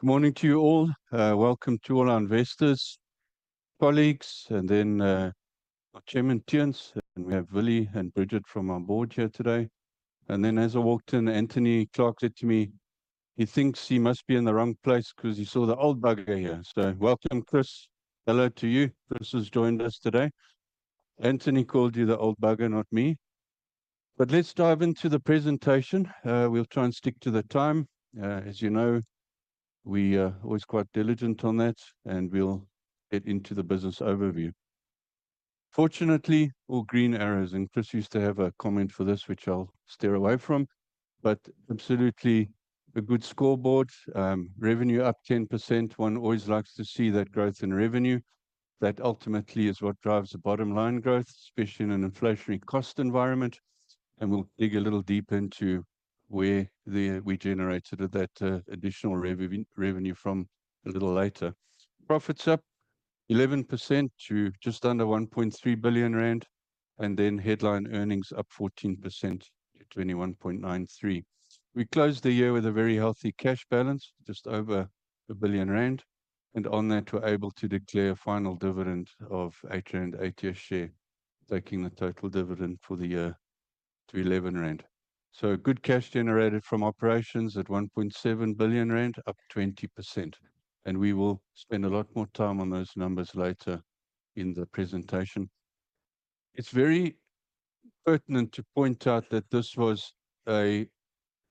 Good morning to you all. Welcome to all our investors, colleagues, and then our Chairman, Theunis. We have Willy and Bridget from our board here today. As I walked in, Anthony Clark said to me he thinks he must be in the wrong place because he saw the old bugger here. Welcome, Chris. Hello to you. Chris has joined us today. Anthony called you the old bugger, not me. Let's dive into the presentation. We'll try and stick to the time. As you know, we are always quite diligent on that. We'll get into the business overview. Fortunately, all green arrows, and Chris used to have a comment for this which I'll steer away from, but absolutely a good scoreboard. Revenue up 10%. One always likes to see that growth in revenue that ultimately is what drives the bottom line growth, especially in an inflationary cost environment. We will dig a little deep into where we generated that additional revenue from a little later. Profits up 11% to just under 1.3 billion rand. Headline earnings up 14% to 21.93. We closed the year with a very healthy cash balance just over 1 billion rand. On that, we were able to declare a final dividend of 8 per share, taking the total dividend for the year to 11 rand. Good cash generated from operations at 1.7 billion rand, up 20%. We will spend a lot more time on those numbers later in the presentation. It is very pertinent to point out that this was a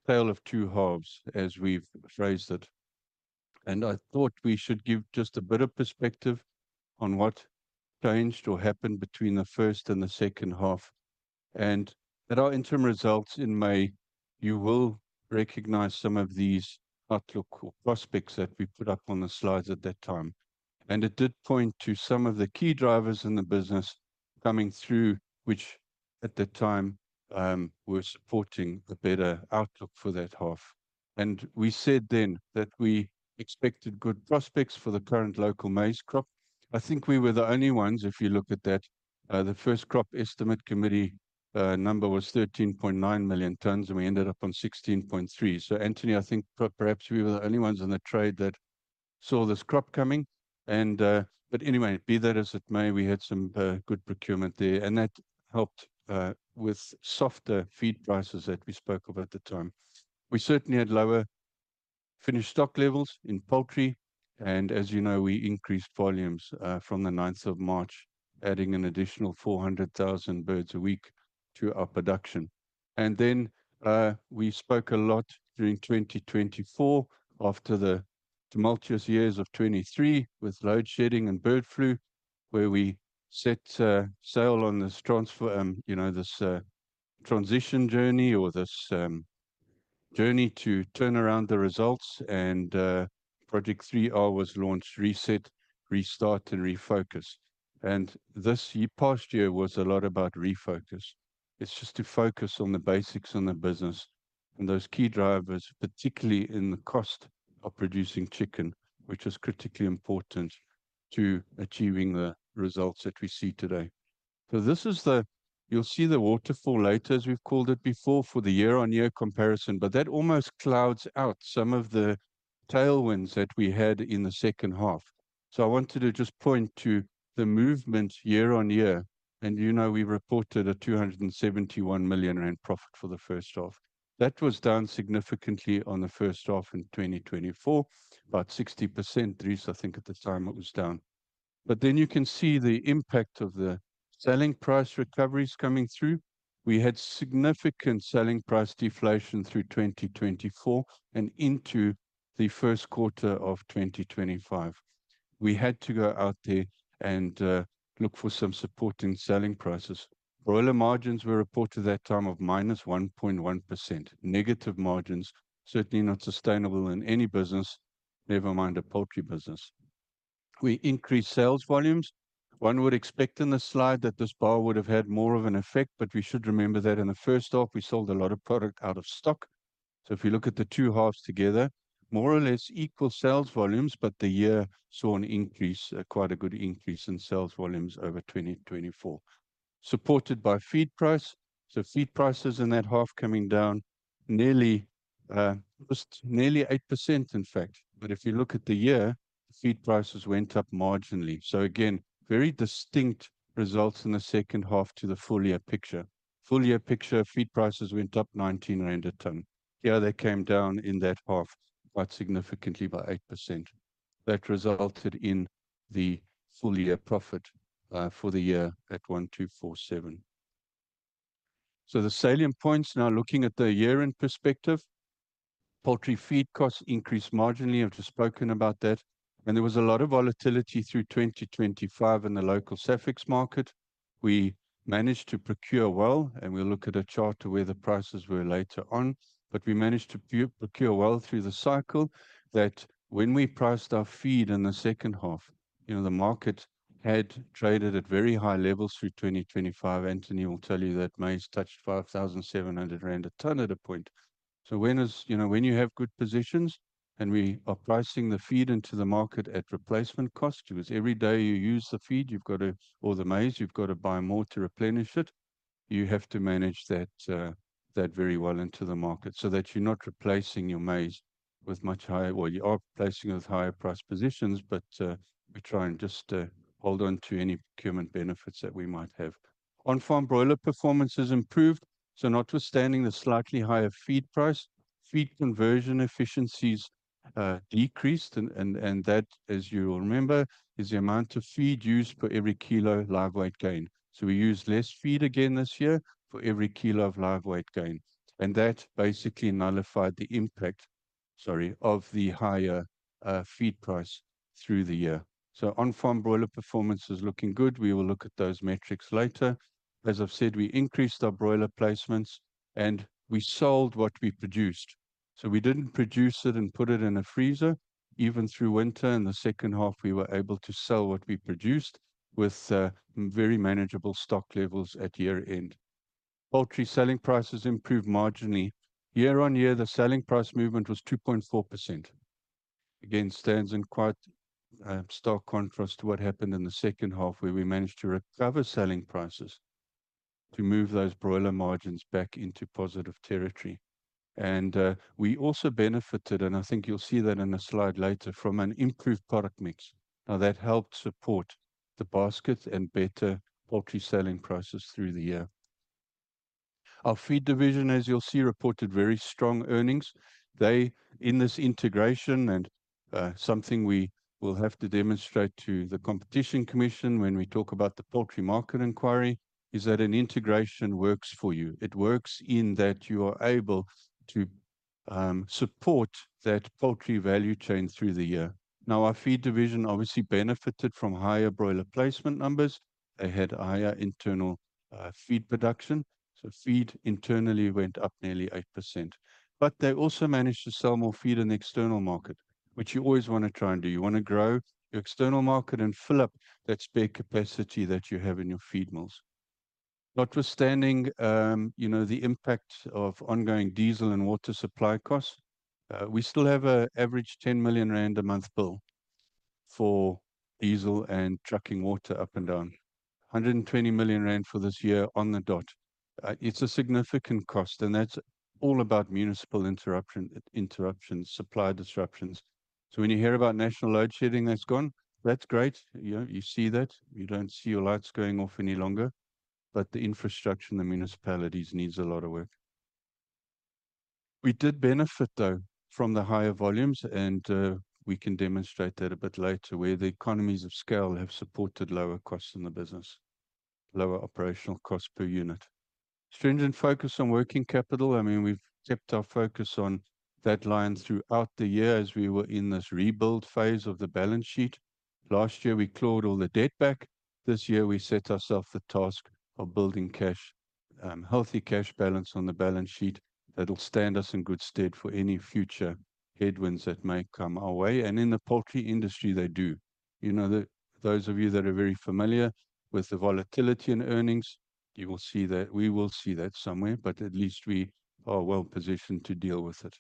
tale of two halves as we have phrased it. I thought we should give just a bit of perspective on what changed or happened between the first and the second half and at our interim results in May. You will recognize some of these outlook or prospects that we put up on the slides at that time. It did point to some of the key drivers in the business coming through which at the time were supporting a better outlook for that half. We said then that we expected good prospects for the current local maize crop. I think we were the only ones. If you look at that, the first crop estimate committee number was 13.9 million tons and we ended up on 16.3. Anthony, I think perhaps we were the only ones in the trade that saw this crop coming. Anyway, be that as it may, we had some good procurement there and that helped with softer feed prices that we spoke of at the time. We certainly had lower finished stock levels in poultry. As you know, we increased volumes from 9th of March, adding an additional 400,000 birds a week to our production. We spoke a lot during 2024, after the tumultuous years of 2023 with load shedding and bird flu, where we set sail on this transfer, you know, this transition journey or this journey to turn around the results. Project 3R was launched: Re-set, Re-start, and Re-focus. This past year was a lot about refocus. It is just to focus on the basics in the business and those key drivers, particularly in the cost of producing chicken, which is critically important to achieving the results that we see today. This is the. You'll see the waterfall later, as we've called it before, for the year-on-year comparison. That almost clouds out some of the tailwinds that we had in the second half. I wanted to just point to the movement year-on-year and, you know, we reported a 271 million rand profit for the first half. That was down significantly on the first half in 2024, about 60%. Dries, I think at the time it was down. Then you can see the impact of the selling price recoveries coming through. We had significant selling price deflation through 2024 and into the first quarter of 2025. We had to go out there and look for some supporting selling prices. Broiler margins were reported that time of -1.1% negative margins, certainly not sustainable in any business, never mind a poultry business. We increased sales volumes. One would expect in the slide that this bar would have had more of an effect. We should remember that in the first half we sold a lot of product out of stock. If you look at the two halves together, more or less equal sales volumes. The year saw an increase, quite a good increase in sales volumes over 2024, supported by feed price. Feed prices in that half coming down nearly, nearly 8% in fact. If you look at the year, the feed prices went up marginally. Very distinct results in the second half to the full year picture. Full year picture feed prices went up 19 rand a ton. They came down in that half quite significantly by 8%. That resulted in the full year profit for the year at 1,247. The salient points now looking at the year end perspective, poultry feed costs increased marginally, I've just spoken about that. There was a lot of volatility through 2025 in the local SAFEX market. We managed to procure well and we'll look at a chart to where the prices were later on. We managed to procure well through the cycle that when we priced our feed in the second half, you know, the market had traded at very high levels through 2025. Anthony will tell you that maize touched 5,700 rand a ton at a point. When you have good positions and we are pricing the feed into the market at replacement cost because every day you use the feed, you've got to or the maize, you've got to buy more to replenish it. You have to manage that very well into the market so that you are not replacing your maize with much higher. Well, you are placing with higher price positions. But we try and just hold on to any procurement benefits that we might have. On-farm broiler performance has improved. Notwithstanding the slightly higher feed price, feed conversion efficiencies decreased. That, as you will remember, is the amount of feed used for every kilo live weight gain. We use less feed again this year for every kilo of live weight gain. That basically nullified the impact, sorry, of the higher feed price through the year. On-farm broiler performance is looking good. We will look at those metrics later. As I have said, we increased our broiler placements and we sold what we produced. We did not produce it and put it in a freezer. Even through winter in the second half, we were able to sell what we produced with very manageable stock levels at year end. Poultry selling prices improved marginally. Year-on-year, the selling price movement was 2.4%, which again stands in quite stark contrast to what happened in the second half where we managed to recover selling prices to move those broiler margins back into positive territory. We also benefited, and I think you will see that in a slide later, from an improved product mix. That helped support the basket and better poultry selling prices through the year. Our feed division, as you will see, reported very strong earnings. In this integration, and something we will have to demonstrate to the Competition Commission when we talk about the poultry market inquiry, is that an integration works for you. It works in that you are able to support that poultry value chain through the year. Now, our feed division obviously benefited from higher broiler placement numbers. They had higher internal feed production, so feed internally went up nearly 8%. They also managed to sell more feed in the external market, which you always want to try and do. You want to grow your external market and fill up that spare capacity that you have in your feed mills. Notwithstanding, you know, the impact of ongoing diesel and water supply costs, we still have an average 10 million rand a month bill for diesel and trucking water up and down, 120 million rand for this year on the dot. It's a significant cost. That is all about municipal interruption. Interruptions, supply disruptions. When you hear about national load shedding, that's gone. That's great, you see that, you don't see your lights going off any longer. The infrastructure in the municipalities needs a lot of work. We did benefit though from the higher volumes and we can demonstrate that a bit later. Where the economies of scale have supported lower costs in the business, lower operational cost per unit, stringent focus on working capital, I mean, we've kept our focus on that line throughout the year. As we were in this rebuild phase of the balance sheet. Last year we clawed all the debt back. This year we set ourselves the task of building cash, healthy cash balance on the balance sheet. That'll stand us in good stead for any future headwinds that may come our way. In the poultry industry they do, you know, those of you that are very familiar with the volatility and earnings, you will see that. We will see that somewhere, but at least we are well positioned to deal with it.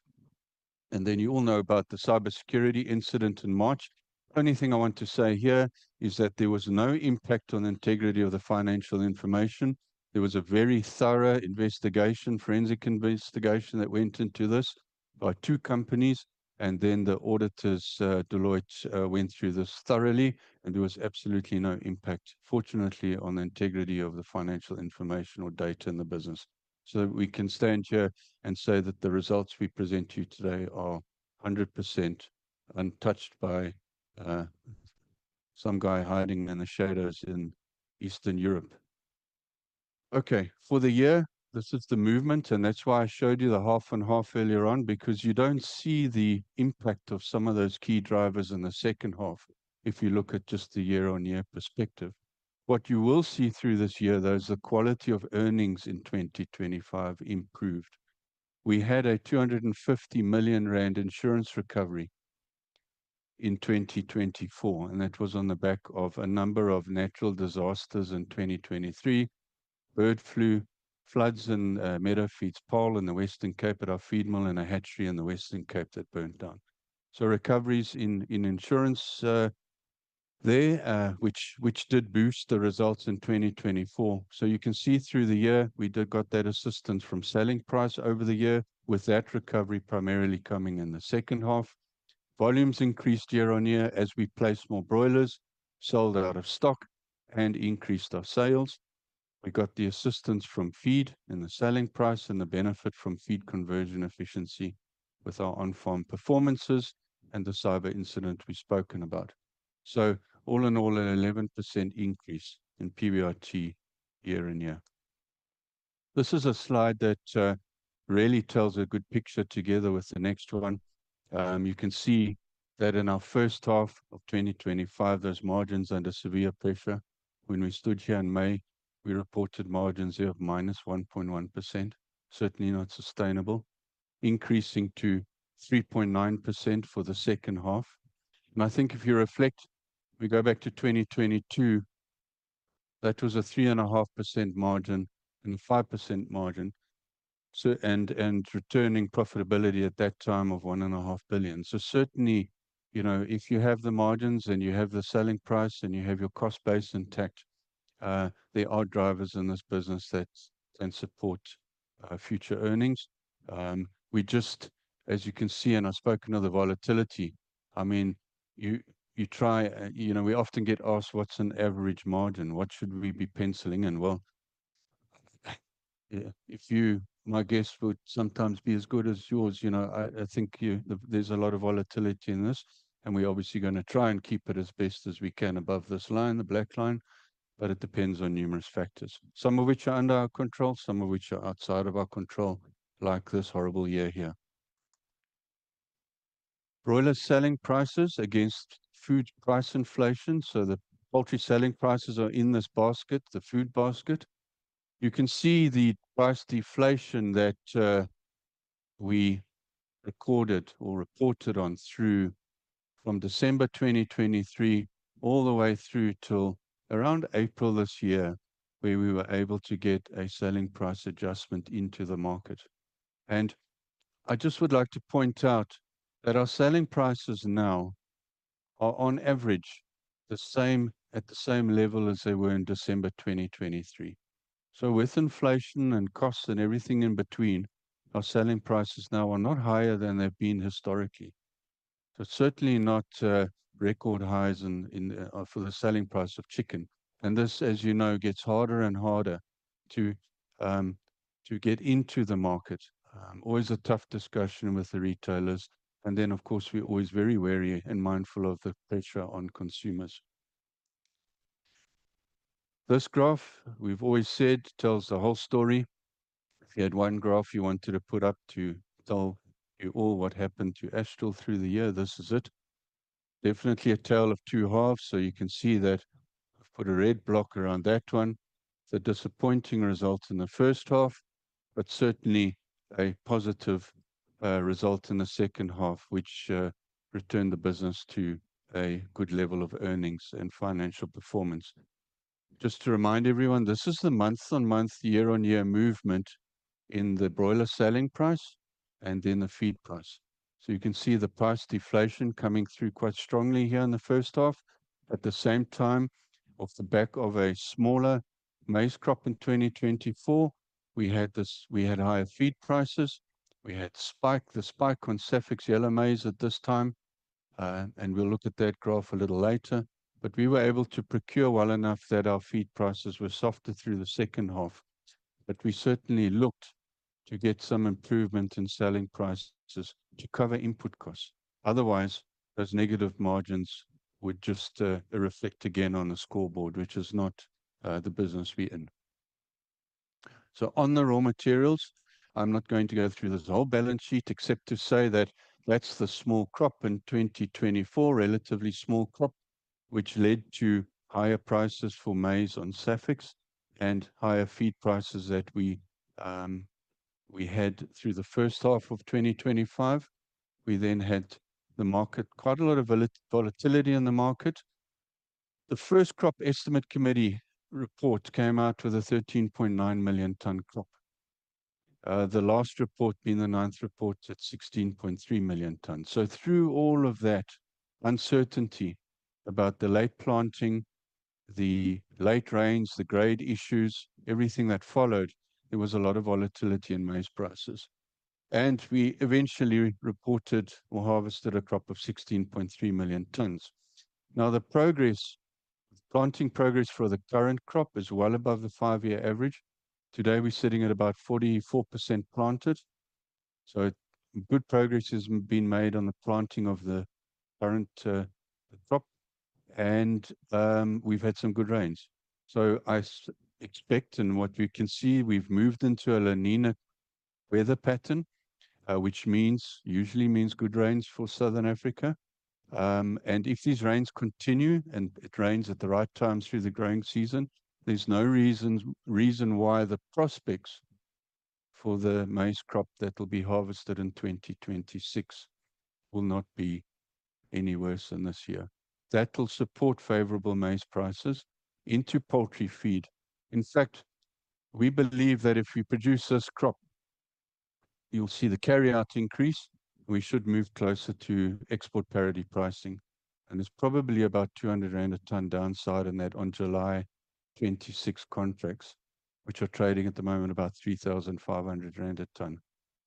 You all know about the cybersecurity incident in March. Only thing I want to say here is that there was no impact on the integrity of the financial information. There was a very thorough investigation, forensic investigation that went into this by two companies and then the auditors, Deloitte, went through this thoroughly and there was absolutely no impact, fortunately, on the integrity of the financial information or data in the business. We can stand here and say that the results we present to you today are 100% untouched by some guy hiding in the shadows in Eastern Europe. Okay, for the year, this is the movement and that's why I showed you the half and half earlier on, because you don't see the impact of some of those key drivers in the second half if you look at just the year-on-year perspective, what you will see through this year though is the quality of earnings in 2025 improved. We had a 250 million rand insurance recovery in 2024 and that was on the back of a number of natural disasters in 2023. Bird flu, floods in Meadow Feeds, pole in the Western Cape at our feed mill and a hatchery in the Western Cape that burnt down. Recoveries in insurance there which did boost the results in 2024. You can see through the year, we did get that assistance from selling price over the year with that recovery primarily coming in the second half. Volumes increased year-on-year as we placed more broilers, sold out of stock, and increased our sales. We got the assistance from feed in the selling price and the benefit from feed conversion efficiency with our on-farm performances and the cyber incident we've spoken about. All in all, an 11% increase in PBRT year-on-year. This is a slide that really tells a good picture together with the next one. You can see that in our first half of 2025, those margins were under severe pressure. When we stood here in May, we reported margins here of -1.1%, certainly not sustainable, increasing to 3.9% for the second half. I think if you reflect, we go back to 2022, that was a 3.5% margin and 5% margin and returning profitability at that time of 1.5 billion. Certainly, you know, if you have the margins and you have the selling price and you have your cost base intact, there are drivers in this business that can support future earnings. You just, as you can see, and I have spoken of the volatility. I mean, you try, you know, we often get asked what's an average margin, what should we be penciling, and my guess would sometimes be as good as yours. You know, I think you, there is a lot of volatility in this and we obviously are going to try and keep it as best as we can above this line, the black line. It depends on numerous factors, some of which are under our control, some of which are outside of our control, like this horrible year here. Broiler selling prices against food price inflation. The poultry selling prices are in this basket, the food basket. You can see the price deflation that we recorded or reported on through from December 2023 all the way through till around April this year where we were able to get a selling price adjustment into the market. I just would like to point out that our selling prices now are on average the same at the same level as they were in December 2023. With inflation and costs and everything in between, our selling prices now are not higher than they've been historically. Certainly not record highs for the selling price of chicken. As you know, this gets harder and harder to get into the market. Always a tough discussion with the retailers. Of course, we are always very wary and mindful of the pressure on consumers. This graph, we have always said, tells the whole story. If you had one graph you wanted to put up to tell you all what happened to Astral through the year, this is it. Definitely a tale of two halves. You can see that, put a red block around that one. The disappointing result in the first half, but certainly a positive result in the second half, which returned the business to a good level of earnings and financial performance. Just to remind everyone, this is the month-on-month, year-on-year movement in the broiler selling price and then the feed price. You can see the price deflation coming through quite strongly here in the first half. At the same time, off the back of a smaller maize crop in 2024, we had higher feed prices, we had the spike on SAFEX yellow maize at this time. We will look at that graph a little later. We were able to procure well enough that our feed prices were softer through the second half. We certainly looked to get some improvement in selling prices to cover input costs. Otherwise, those negative margins would just reflect again on the scoreboard, which is not the business we are in. On the raw materials, I'm not going to go through this whole balance sheet except to say that that's the small crop in 2024, relatively small crop which led to higher prices for maize on SAFEX and higher feed prices that we had through the first half of 2025. We then had the market. Quite a lot of volatility in the market. The first Crop Estimate Committee report came out with a 13.9 million ton crop, the last report being the ninth report at 16.3 million tons. Through all of that uncertainty about the late planting, the late rains, the grade issues, everything that followed, there was a lot of volatility in maize prices and we eventually reported or harvested a crop of 16.3 million tons. Now the progress, planting progress for the current crop is well above the five year average. Today we're sitting at about 44% planted. Good progress has been made on the planting of the current crop. We've had some good rains. I expect, and what we can see, we've moved into a La Niña weather pattern, which usually means good rains for southern Africa. If these rains continue and it rains at the right time through the growing season, there's no reason why the prospects for the maize crop that will be harvested in 2026 will be any worse than this year. That will support favorable maize prices into poultry feed. In fact, we believe that if we produce this crop you'll see the carryout increase. We should move closer to export parity pricing. There is probably about 200 rand a ton downside in that on July 26th contracts, which are trading at the moment at about 3,500 rand a ton,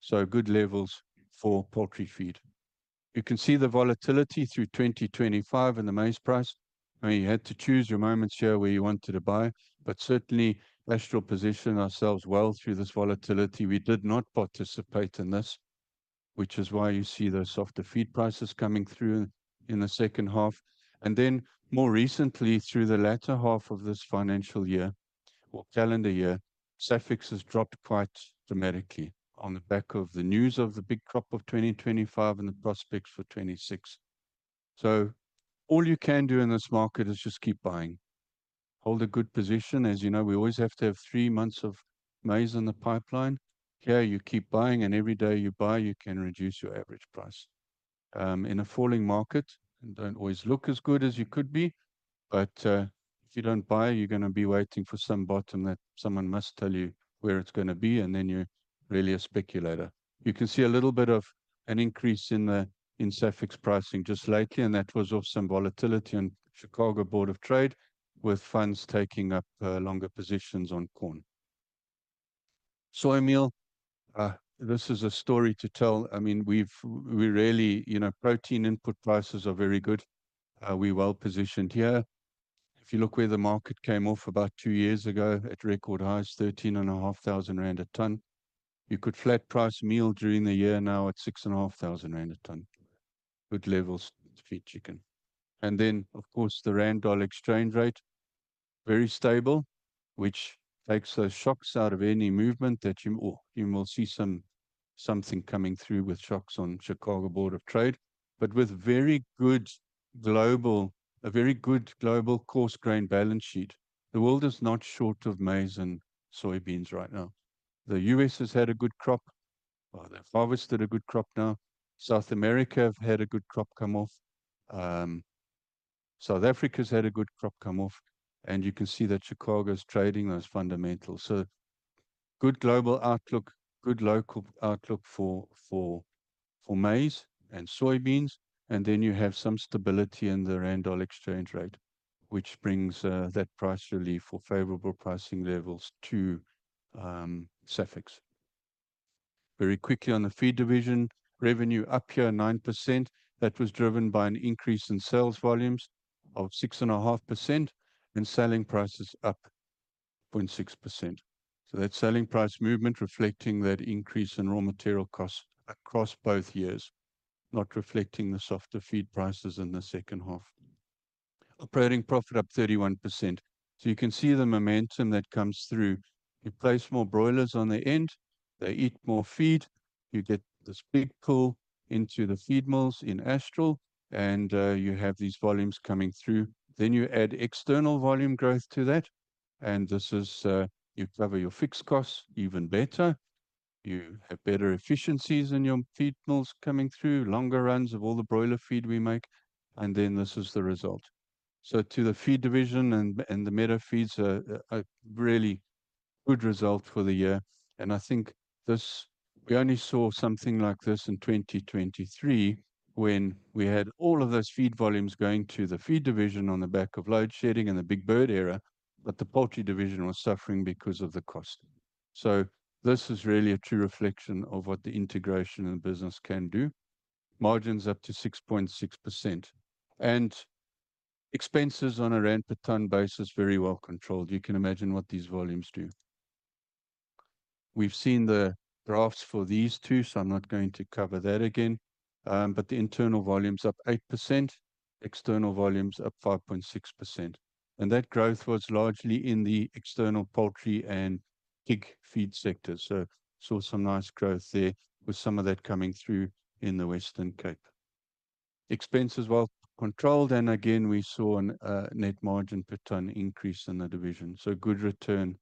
so good levels for poultry feed. You can see the volatility through 2025 in the maize price. You had to choose your moments here where you wanted to buy. Certainly, Astral positioned ourselves well through this volatility. We did not participate in this, which is why you see those softer feed prices coming through in the second half. More recently, through the latter half of this financial year or calendar year, SAFEX has dropped quite dramatically on the back of the news of the big crop of 2025 and the prospects for 2026. All you can do in this market is just keep buying, hold a good position. As you know, we always have to have three months of maize in the pipeline here. You keep buying, and every day you buy, you can reduce your average price in a falling market and do not always look as good as you could be. If you do not buy, you are going to be waiting for some bottom that someone must tell you where it is going to be. You are really a speculator. You can see a little bit of an increase in the SAFEX pricing just lately. That was also volatility on Chicago Board of Trade with funds taking up longer positions on corn, soy meal. This is a story to tell. I mean, we have, we rarely, you know, protein input prices are very good. We are well positioned here. If you look where the market came off about two years ago at record highs 13,500 rand a ton. You could flat price meal during the year now at 6,500 rand a ton. Good levels to feed chicken. Of course, the rand/dollar exchange rate very stable which takes those shocks out of any movement that you will see something coming through with shocks on Chicago Board of Trade, but with a very good global coarse grain balance sheet. The world is not short of maize and soybeans right now. The U.S. has had a good crop, they've harvested a good crop. Now South America have had a good crop come off. South Africa's had a good crop come off. You can see that Chicago's trading those fundamentals. Good global outlook, good local outlook for maize and soybeans. You have some stability in the rand/dollar exchange rate which brings that price relief for favorable pricing levels. To suffix. Very quickly on the feed division, revenue up here 9%. That was driven by an increase in sales volumes of 6.5% and selling prices up 0.6%. That selling price movement reflecting that increase in raw material costs across both years, not reflecting the softer feed prices in the second half. Operating profit up 31%. You can see the momentum that comes through. You place more broilers on the end, they eat more feed. You get this big pull into the feed mills in Astral and you have these volumes coming through. You add external volume growth to that. This is how you cover your fixed costs even better. You have better efficiencies in your feed mills coming through. Longer runs of all the broiler feed we make. This is the result. To the feed division and Meadow Feeds, a really good result for the year. I think this. We only saw something like this in 2023 when we had all of those feed volumes going to the feed division on the back of load shedding and the big bird era. The poultry division was suffering because of the cost. This is really a true reflection of what the integration and business can do. Margins up to 6.6% and expenses on a rand per tonne basis, very well controlled. You can imagine what these volumes do. We have seen the graphs for these too, so I am not going to cover that again. Internal volumes up 8%, external volumes up 5.6%. That growth was largely in the external poultry and pig feed sectors. Saw some nice growth there with some of that coming through in the Western Cape. Expenses well controlled. Again we saw a net margin per tonne increase in the division. Good return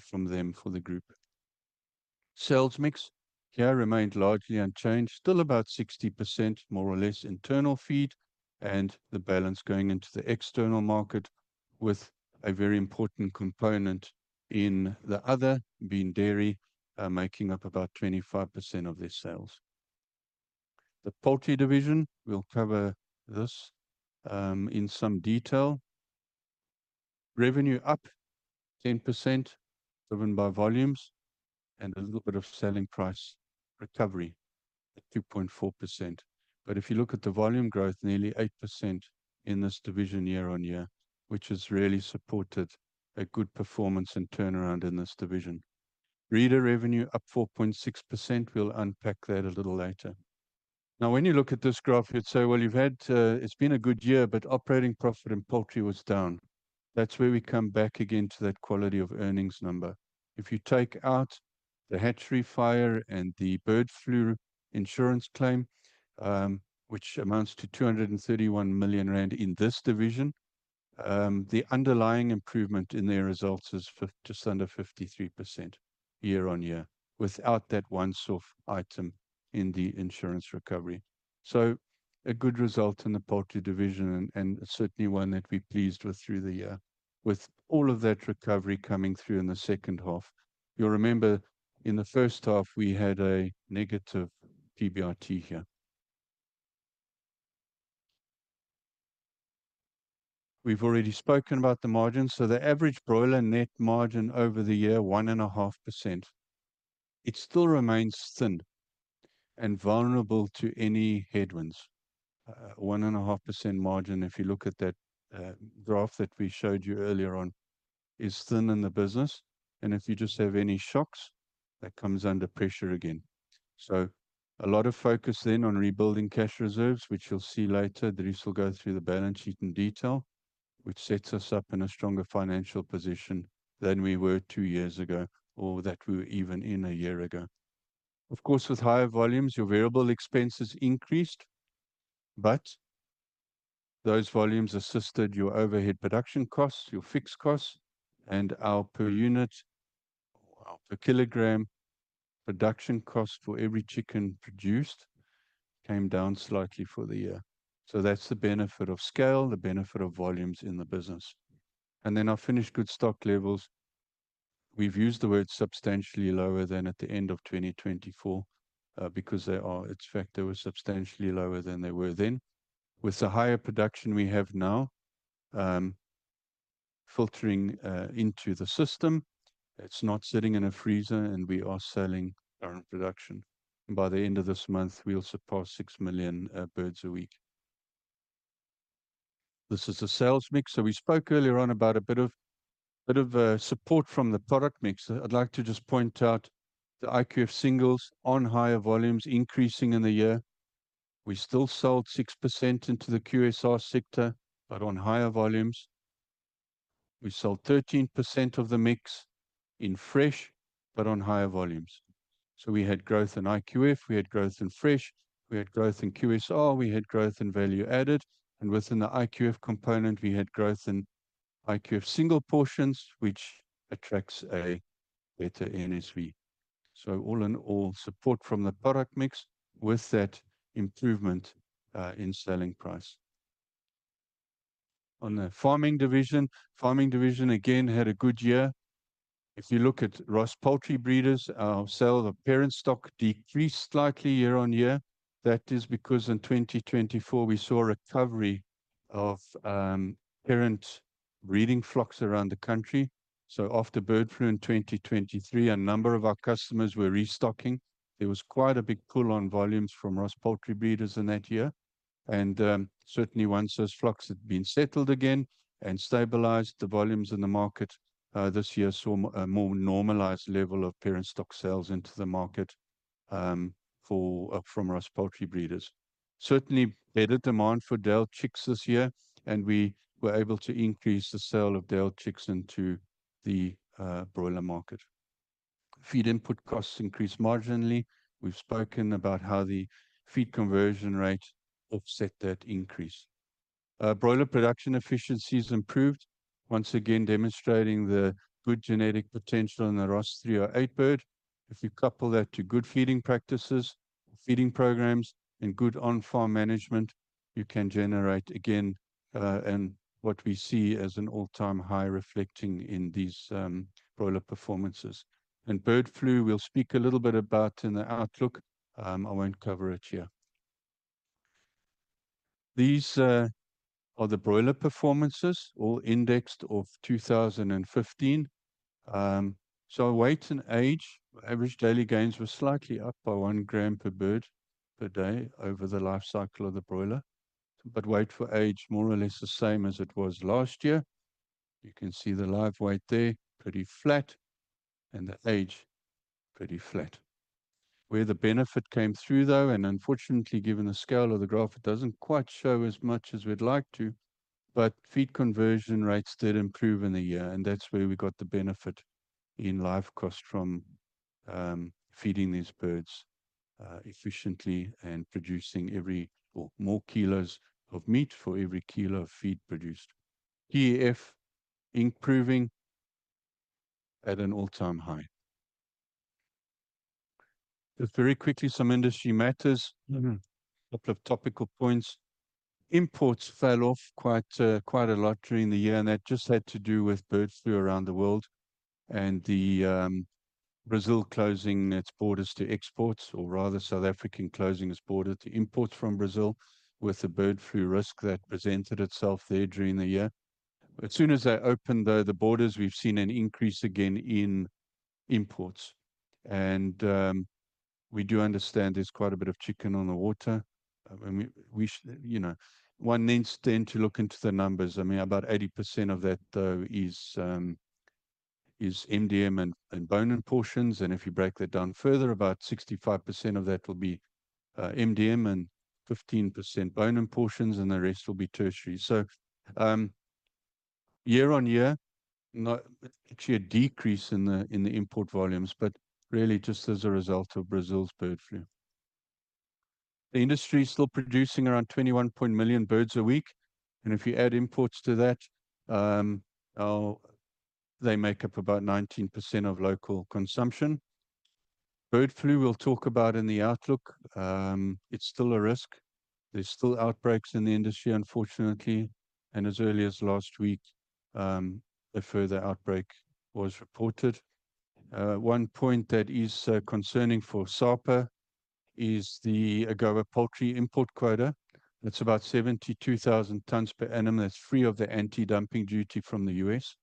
from them for the group. Sales mix here remained largely unchanged. Still about 60% more or less internal feed and the balance going into the external market with a very important component in the other being dairy making up about 25% of their sales. The poultry division, we'll cover this in some detail. Revenue up 10% driven by volumes and a little bit of selling price recovery at 2.4%. If you look at the volume growth, nearly 8% in this division year-on-year, which has really supported a good performance and turnaround in this division. Reader revenue up 4.6%. We'll unpack that a little later. Now, when you look at this graph, you'd say, well, you've had. It's been a good year but operating profit in poultry was down. That's where we come back again to that quality of earnings number. If you take out the hatchery fire and the bird flu insurance claim, which amounts to 231 million rand in this division, the underlying improvement in their results is just under 53% year-on-year without that one soft item in the insurance recovery. So a good result in the poultry division and certainly one that we pleased with through the year with all of that recovery coming through in the second half. You'll remember in the first half we had a negative PBRT here. We've already spoken about the margin. The average broiler net margin over the year, 1.5%, it still remains thin and vulnerable to any headwinds. 1.5% margin, if you look at that graph that we showed you earlier on, is thin in the business. If you just have any shocks, that comes under pressure again. A lot of focus then on rebuilding cash reserves, which you'll see later there is, will go through the balance sheet in detail, which sets us up in a stronger financial position than we were two years ago, or that we were even in a year ago. Of course, with higher volumes, your variable expenses increased, but those volumes assisted your overhead production costs, your fixed costs. Our per unit per kg production cost for every chicken produced came down slightly for the year. That is the benefit of scale, the benefit of volumes in the business. Our finished good stock levels, we have used the word substantially lower than at the end of 2024 because they are. Its factor was substantially lower than they were then, with the higher production we have now filtering into the system. It is not sitting in a freezer and we are selling current production. By the end of this month, we will surpass 6 million birds a week. This is a sales mix. We spoke earlier on about a bit of support from the product mix. I would like to just point out the IQF singles on higher volumes increasing in the year. We still sold 6% into the QSR sector, but on higher volumes. We sold 13% of the mix in fresh, but on higher volumes. We had growth in IQF, we had growth in fresh, we had growth in QSR, we had growth in value added. Within the IQF component, we had growth in IQF single portions, which attracts a better NSV. All in all, support from the product mix with that improvement in selling price on the farming division. Farming division again had a good year. If you look at Ross Poultry Breeders, our sale of parent stock decreased slightly year on year. That is because in 2024 we saw a recovery of parent breeding flocks around the country. After bird flu in 2023, a number of our customers were restocking. There was quite a big pull on volumes from Ross Poultry Breeders in that year. Certainly once those flocks had been settled again and stabilized, the volumes in the market. This year saw a more normalized level of parent stock sales into the market from Ross Poultry Breeders. Certainly better demand for day-old chicks this year and we were able to increase the sale of day-old chicks into the broiler market. Feed input costs increased marginally. We've spoken about how the feed conversion rate offset that increase. Broiler production efficiencies improved once again, demonstrating the good genetic potential in the Ross 308 bird. If you couple that to good feeding practices, feeding programs, and good on-farm management, you can generate again what we see as an all-time high. Reflecting in these broiler performances and bird flu. We'll speak a little bit about in the outlook. I won't cover it here. These are the broiler performances all indexed off 2015. Weight and age average daily gains were slightly up by 1 gram per bird per day over the life cycle of the broiler. Weight for age more or less the same as it was last year. You can see the live weight there pretty flat and the age pretty flat. Where the benefit came through, though, unfortunately given the scale of the graph, it does not quite show as much as we would like to. Feed conversion rates did improve in the year and that is where we got the benefit in live cost from feeding these birds efficiently and producing every more kilos of meat for every kilo of feed produced. TEF improving at an all-time high just very quickly. Some industry matters. A couple of topical points. Imports fell off quite a lot during the year and that just had to do with bird flu around the world and Brazil closing its borders to exports or rather South Africa closing its border to imports from Brazil with the bird flu risk that presented itself there during the year. As soon as they opened though, the borders, we've seen an increase again in imports and we do understand there's quite a bit of chicken on the water. You know, one needs to look into the numbers. I mean about 80% of that though is MDM and bone in portions. And if you break that down further, about 65% of that will be MDM and 15% bone in portions and the rest will be tertiary. Year on year, not actually a decrease in the import volumes, but really just as a result of Brazil's bird flu, the industry is still producing around 21 million birds a week. If you add imports to that, they make up about 19% of local consumption. Bird flu, we'll talk about in the outlook. It's still a risk. There's still outbreaks in the industry, unfortunately. As early as last week, a further outbreak was reported. One point that is concerning for SAPA is the AGOA poultry import quota. That's about 72,000 tons per annum. That's free of the anti-dumping duty from the U.S.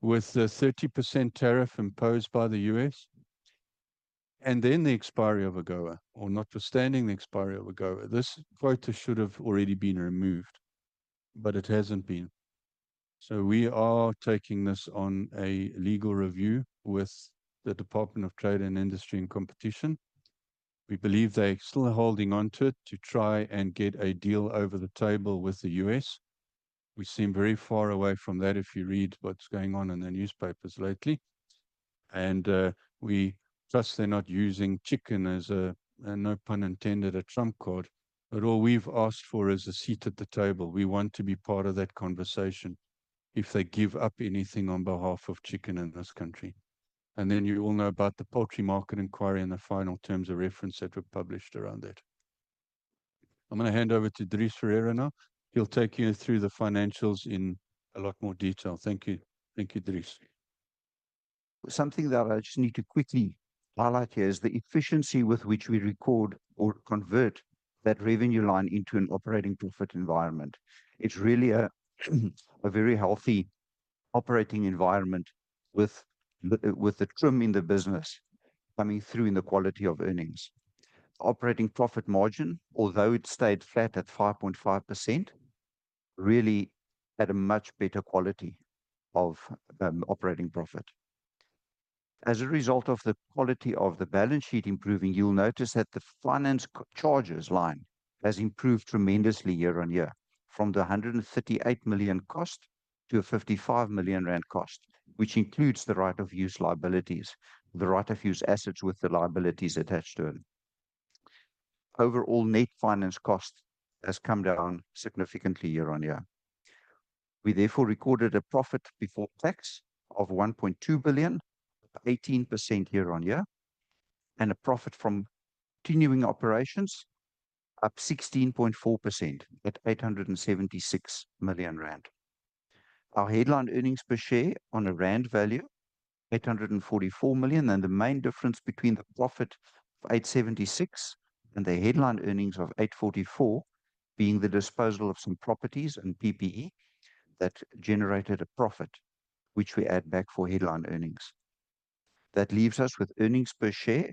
with the 30% tariff imposed by the U.S., and then the expiry of AGOA, or notwithstanding the expiry of AGOA, this quota should have already been removed, but it hasn't been. We are taking this on a legal review with the Department of Trade and Industry and Competition. We believe they are still holding on to it to try and get a deal over the table with the U.S. We seem very far away from that. If you read what is going on in the newspapers lately, we trust they are not using chicken as a, no pun intended, a trump card. All we have asked for is a seat at the table. We want to be part of that conversation if they give up anything on behalf of chicken in this country. You all know about the poultry market inquiry and the final terms of reference that were published around that. I am going to hand over to Dries Ferreira now. He will take you through the financials in a lot more detail. Thank you. Thank you, Dries. Something that I just need to quickly highlight here is the efficiency with which we record or convert that revenue line into an operating profit environment. It's really a very healthy operating environment with the trim in the business coming through in the quality of earnings. Operating profit margin, although it stayed flat at 5.5%, really at a much better quality of operating profit as a result of the quality of the balance sheet improving. You'll notice that the finance charges line has improved tremendously year-on-year from the 138 million cost to a 55 million rand cost which includes the right of use liabilities, the right of use assets with the liabilities attached to it. Overall net finance cost has come down significantly year on year. We therefore recorded a profit before tax of 1.2 billion, 18% year-on-year, and a profit from continuing operations up 16.4% at 876 million rand. Our headline earnings per share on a rand value, 844 million. The main difference between the profit of 876 million and the headline earnings of 844 million being the disposal of some properties and PPE that generated a profit which we add back for headline earnings. That leaves us with earnings per share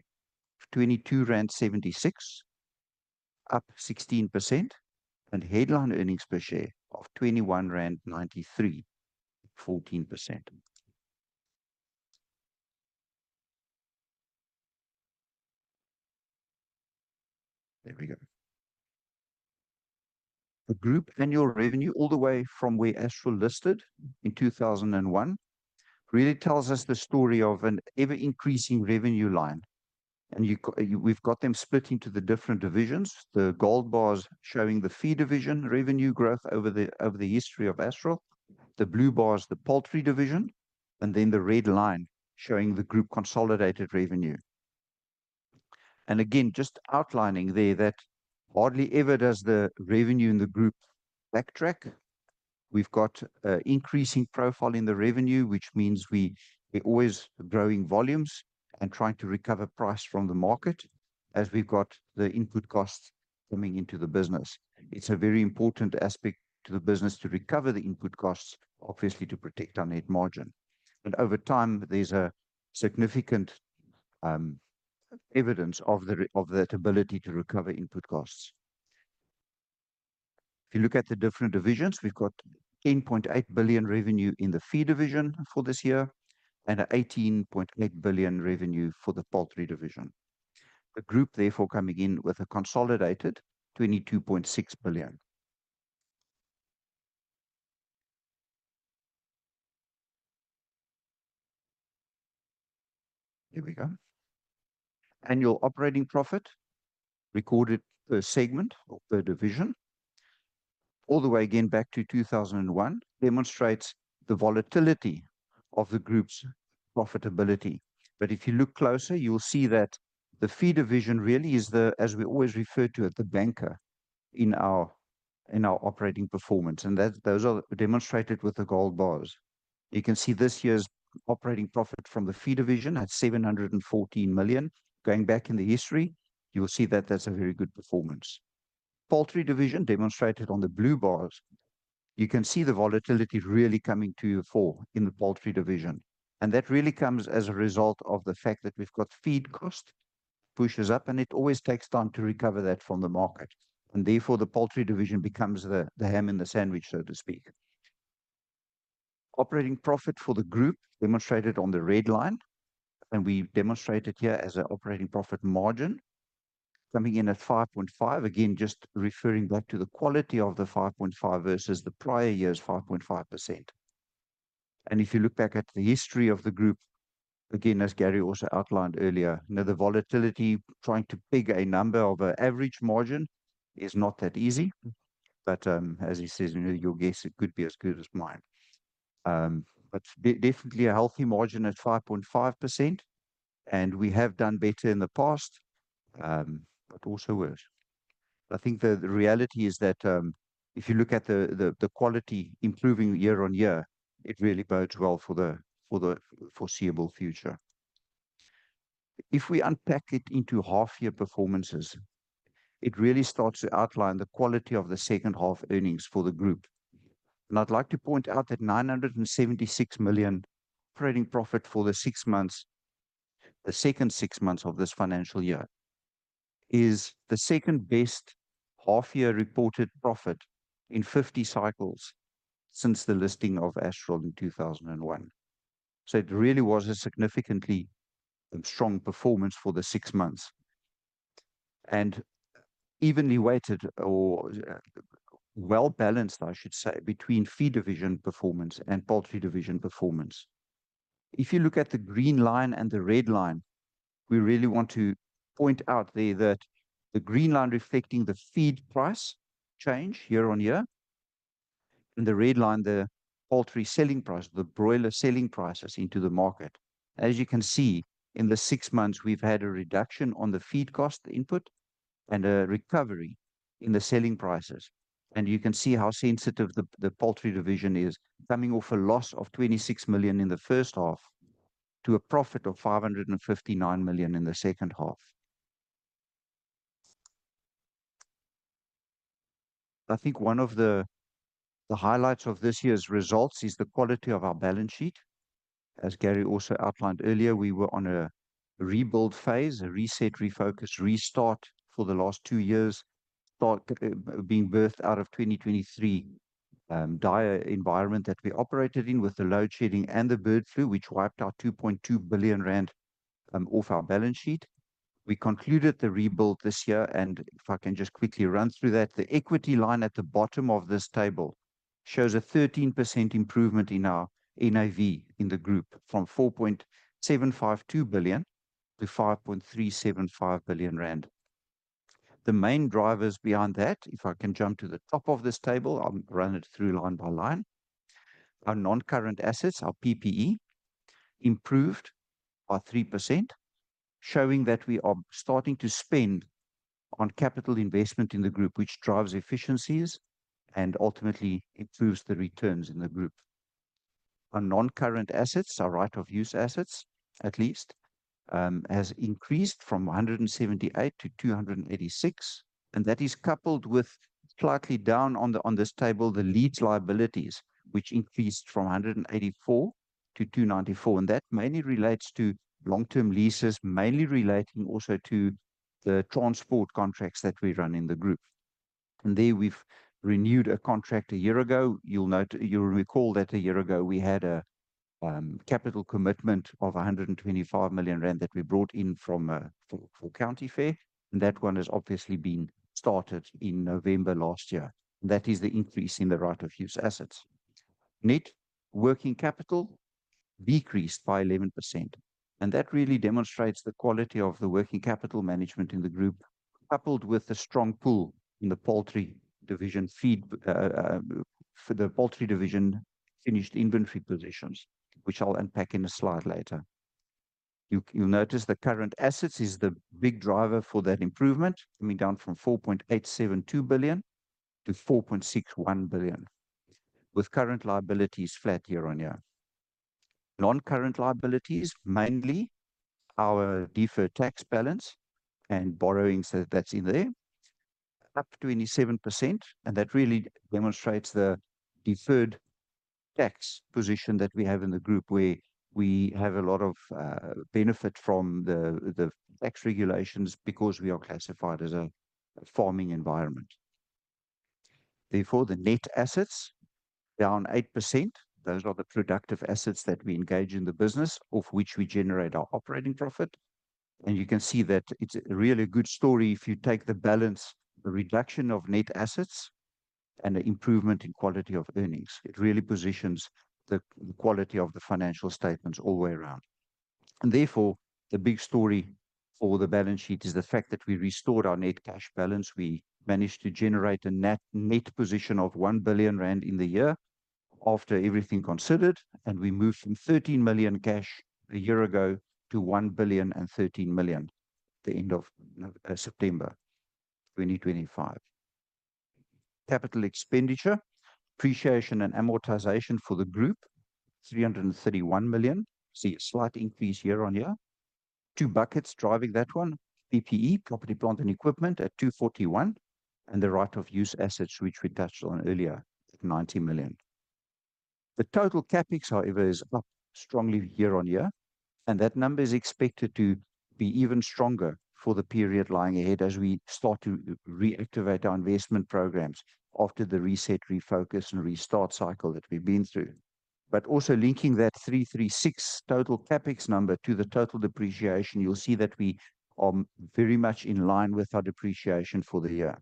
22.76 rand, up 16%, and headline earnings per share of 21.93 rand, 14%. There we go. The group annual revenue all the way from where Astral listed in 2001 really tells us the story of an ever-increasing revenue line. You see we've got them split into the different divisions. The gold bars showing the feed division revenue growth over the history of Astral, the blue bars, the poultry division, and then the red line showing the group consolidated revenue. Again, just outlining there, that hardly ever does the revenue in the group backtrack. We've got increasing profile in the revenue, which means we are always growing volumes and trying to recover price from the market as we've got the input costs coming into the business. It's a very important aspect to the business to recover the input costs, obviously to protect our net margin. Over time, there's significant evidence of that ability to recover input costs. If you look at the different divisions, we've got 10.8 billion revenue in the feed division for this year and 18.8 billion revenue for the poultry division. The group therefore coming in with a consolidated 22.6 billion. Here we go. Annual operating profit recorded per segment or per division all the way again back to 2001 demonstrates the volatility of the group's profitability. If you look closer, you'll see that the feed division really is the, as we always refer to it, the banker in our operating performance and those are demonstrated with the gold bars. You can see this year's operating profit from the feed division at 714 million. Going back in the history, you'll see that that's a very good performance. Poultry division demonstrated on the blue bars. You can see the volatility really coming to fore in the poultry division. That really comes as a result of the fact that we've got feed cost pushes up and it always takes time to recover that from the market. Therefore the poultry division becomes the ham in the sandwich, so to speak. Operating profit for the group demonstrated on the red line. We demonstrated here as an operating profit margin coming in at 5.5%. Again, just referring back to the quality of the 5.5% versus the prior year's 5.5%. If you look back at the history of the group again, as Gary also outlined earlier, the volatility trying to pick a number of average margin is not that easy. As he says, your guess, it could be as good as mine, but definitely a healthy margin at 5.5% and we have done better in the past, but also worse. I think the reality is that if you look at the quality improving year-on-year, it really bodes well for the foreseeable future. If we unpack it into half year performances, it really starts to outline the quality of the second half earnings for the group. I'd like to point out that 976 million operating profit for the six months, the second six months of this financial year, is the second best half year reported profit in 50 cycles since the listing of Astral in 2001. It really was a significantly strong performance for the six months and evenly weighted or well balanced, I should say, between feed division performance and poultry division performance. If you look at the green line and the red line, we really want to point out there that the green line reflecting the feed price change year-on-year and the red line, the poultry selling price, the broiler selling prices into the market. As you can see in the six months we have had a reduction on the feed cost input and a recovery in the selling prices. You can see how sensitive the poultry division is. Coming off a loss of 26 million in the first half to a profit of 559 million in the second half. I think one of the highlights of this year's results is the quality of our balance sheet. As Gary also outlined earlier, we were on a rebuild phase, a reset, refocus, restart for the last two years being birthed out of 2023. Dire environment that we operated in with the load shedding and the bird flu which wiped out 2.2 billion rand off our balance sheet. We concluded the rebuild this year and if I can just quickly run through that, the equity line at the bottom of this table shows a 13% improvement in our NAV in the group from 4.752 billion to 5.375 billion rand. The main drivers beyond that. If I can jump to the top of this table, I'll run it through line by line. Our non current assets, our PPE improved by 3% showing that we are starting to spend on capital investment in the group which drives efficiencies and ultimately improves the returns in the group. Our non current assets, our right of use assets at least has increased from 178 million to 286 million. That is coupled with slightly down on this table, the lease liabilities which increased from 184 million to 294 million. That mainly relates to long term leases, mainly relating also to the transport contracts. That we run in the group. There we've renewed a contract a year ago. You'll note. You'll recall that a year ago we had a capital commitment of 125 million rand that we brought in from County Fair. That one has obviously been started in November last year. That is the increase in the right of use assets. Net working capital decreased by 11%. That really demonstrates the quality of the working capital management in the group. Coupled with a strong pull in the poultry division feed for the poultry division finished inventory positions, which I'll unpack in a slide later. You'll notice the current assets is the big driver for that improvement. Coming down from 4.872 billion to 4.61 billion. With current liabilities flat year on year. Non-current liabilities mainly our deferred tax balance and borrowings that's in there, up 27%. That really demonstrates the deferred tax position that we have in the group where we have a lot of benefit from the tax regulations because we are classified as a farming environment. Therefore the net assets down 8%. Those are the productive assets that we engage in the business of which we generate our operating profit. You can see that it is really a good story. If you take the balance, the reduction of net assets and the improvement in quality of earnings, it really positions the quality of the financial statements all the way around. The big story for the balance sheet is the fact that we restored our net cash balance. We managed to generate a net position of 1 billion rand in the year after everything considered. We moved from 13 million cash a year ago to 1,013,000,000. The end of September 2025. Capital expenditure, depreciation and amortization for the group 331 million see a slight increase year on year. Two buckets driving that: one, PPE, property, plant and equipment at 241 million, and the right of use assets, which we touched on earlier, at 90 million. The total CapEx, however, is up strongly year on year. That number is expected to be even stronger for the period lying ahead as we start to reactivate our investment programs after the reset, refocus and restart cycle that we've been through. Also, linking that 336 million total CapEx number to the total depreciation, you'll see that we are very much in line with our depreciation for the year.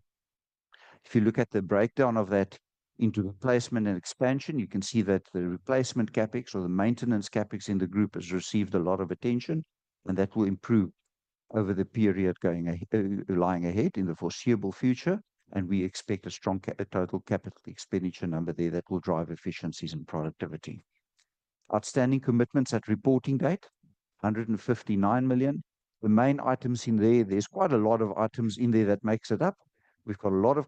If you look at the breakdown of that into replacement and expansion, you can see that the replacement CapEx or the maintenance CapEx in the group has received a lot of attention and that will improve over the period lying ahead in the foreseeable future. We expect a strong total capital expenditure number there that will drive efficiencies and productivity. Outstanding commitments at reporting date 159 million. The main items in there. There is quite a lot of items in there that makes it up. We have got a lot of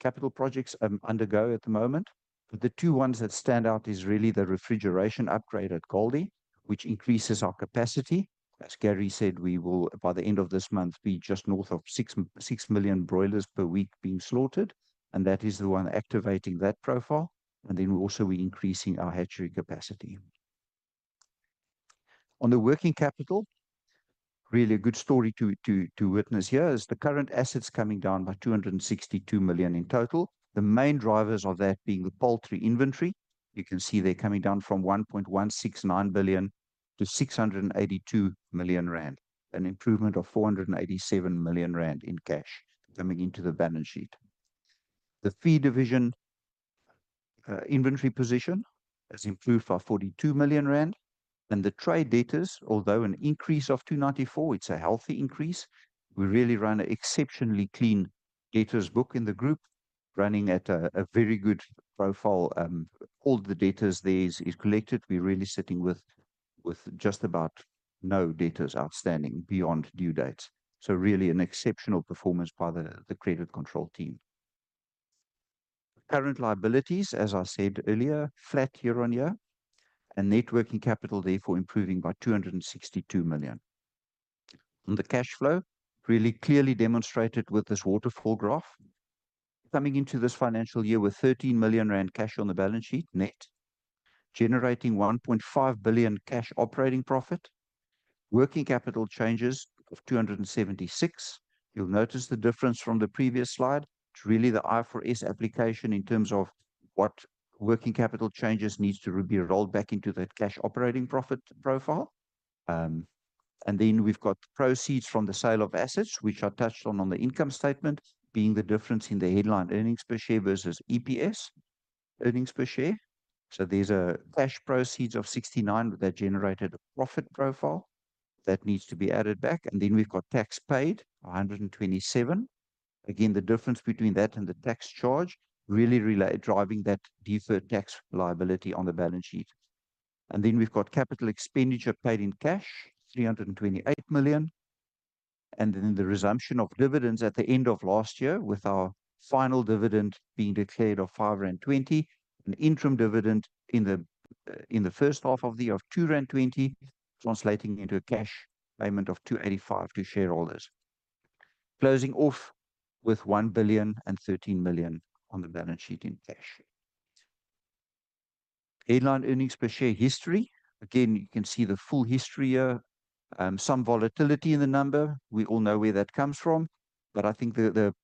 capital projects undergo at the moment but the two ones that stand out is really the refrigeration upgrade at Goldie which increases our capacity. As Gary said we will by the end of this month be just north of 6.6 million broilers per week being slaughtered. That is the one activating that profile. We are increasing our hatchery capacity. On the working capital, really a good story to witness here is the current assets coming down by 262 million in total. The main drivers of that being the poultry inventory. You can see they are coming down from 1.169 billion to 682 million rand. An improvement of 487 million rand in cash. Coming into the balance sheet, the feed division inventory position has improved by 42 million rand. The trade debtors, although an increase of 294 million, it is a healthy increase. We really run an exceptionally clean debtors book in the group, running at a very good profile. All the debtors there are collected. We are really sitting with just about no debtors outstanding beyond due dates. Really an exceptional performance by the credit control team. Current liabilities as I said earlier, flat year on year and net working capital therefore improving by 262 million. On the cash flow, really clearly demonstrated with this waterfall graph. Coming into this financial year with 13 million rand cash on the balance sheet net generating 1.5 billion cash operating profit working capital changes of 276 million. You'll notice the difference from the previous slide. It's really the IFRS application in terms of what working capital changes needs to be rolled back into that cash operating profit profile. We have proceeds from the sale of assets which are touched on on the income statement being the difference in the headline earnings per share versus EPS earnings per share. There's a cash proceeds of 69 million that generated a profit profile that needs to be added back. have tax paid 127 million, again the difference between that and the tax charge really driving that deferred tax liability on the balance sheet. We have capital expenditure paid in cash, 328 million. The resumption of dividends at the end of last year with our final dividend being declared of 5.20 rand and an interim dividend in the first half of the year of 2.20 rand, translating into a cash payment of 285 million to shareholders, closing off with 1.013 billion on the balance sheet in cash. Headline earnings per share history, again you can see the full history here, some volatility in the number. We all know where that comes from but I think the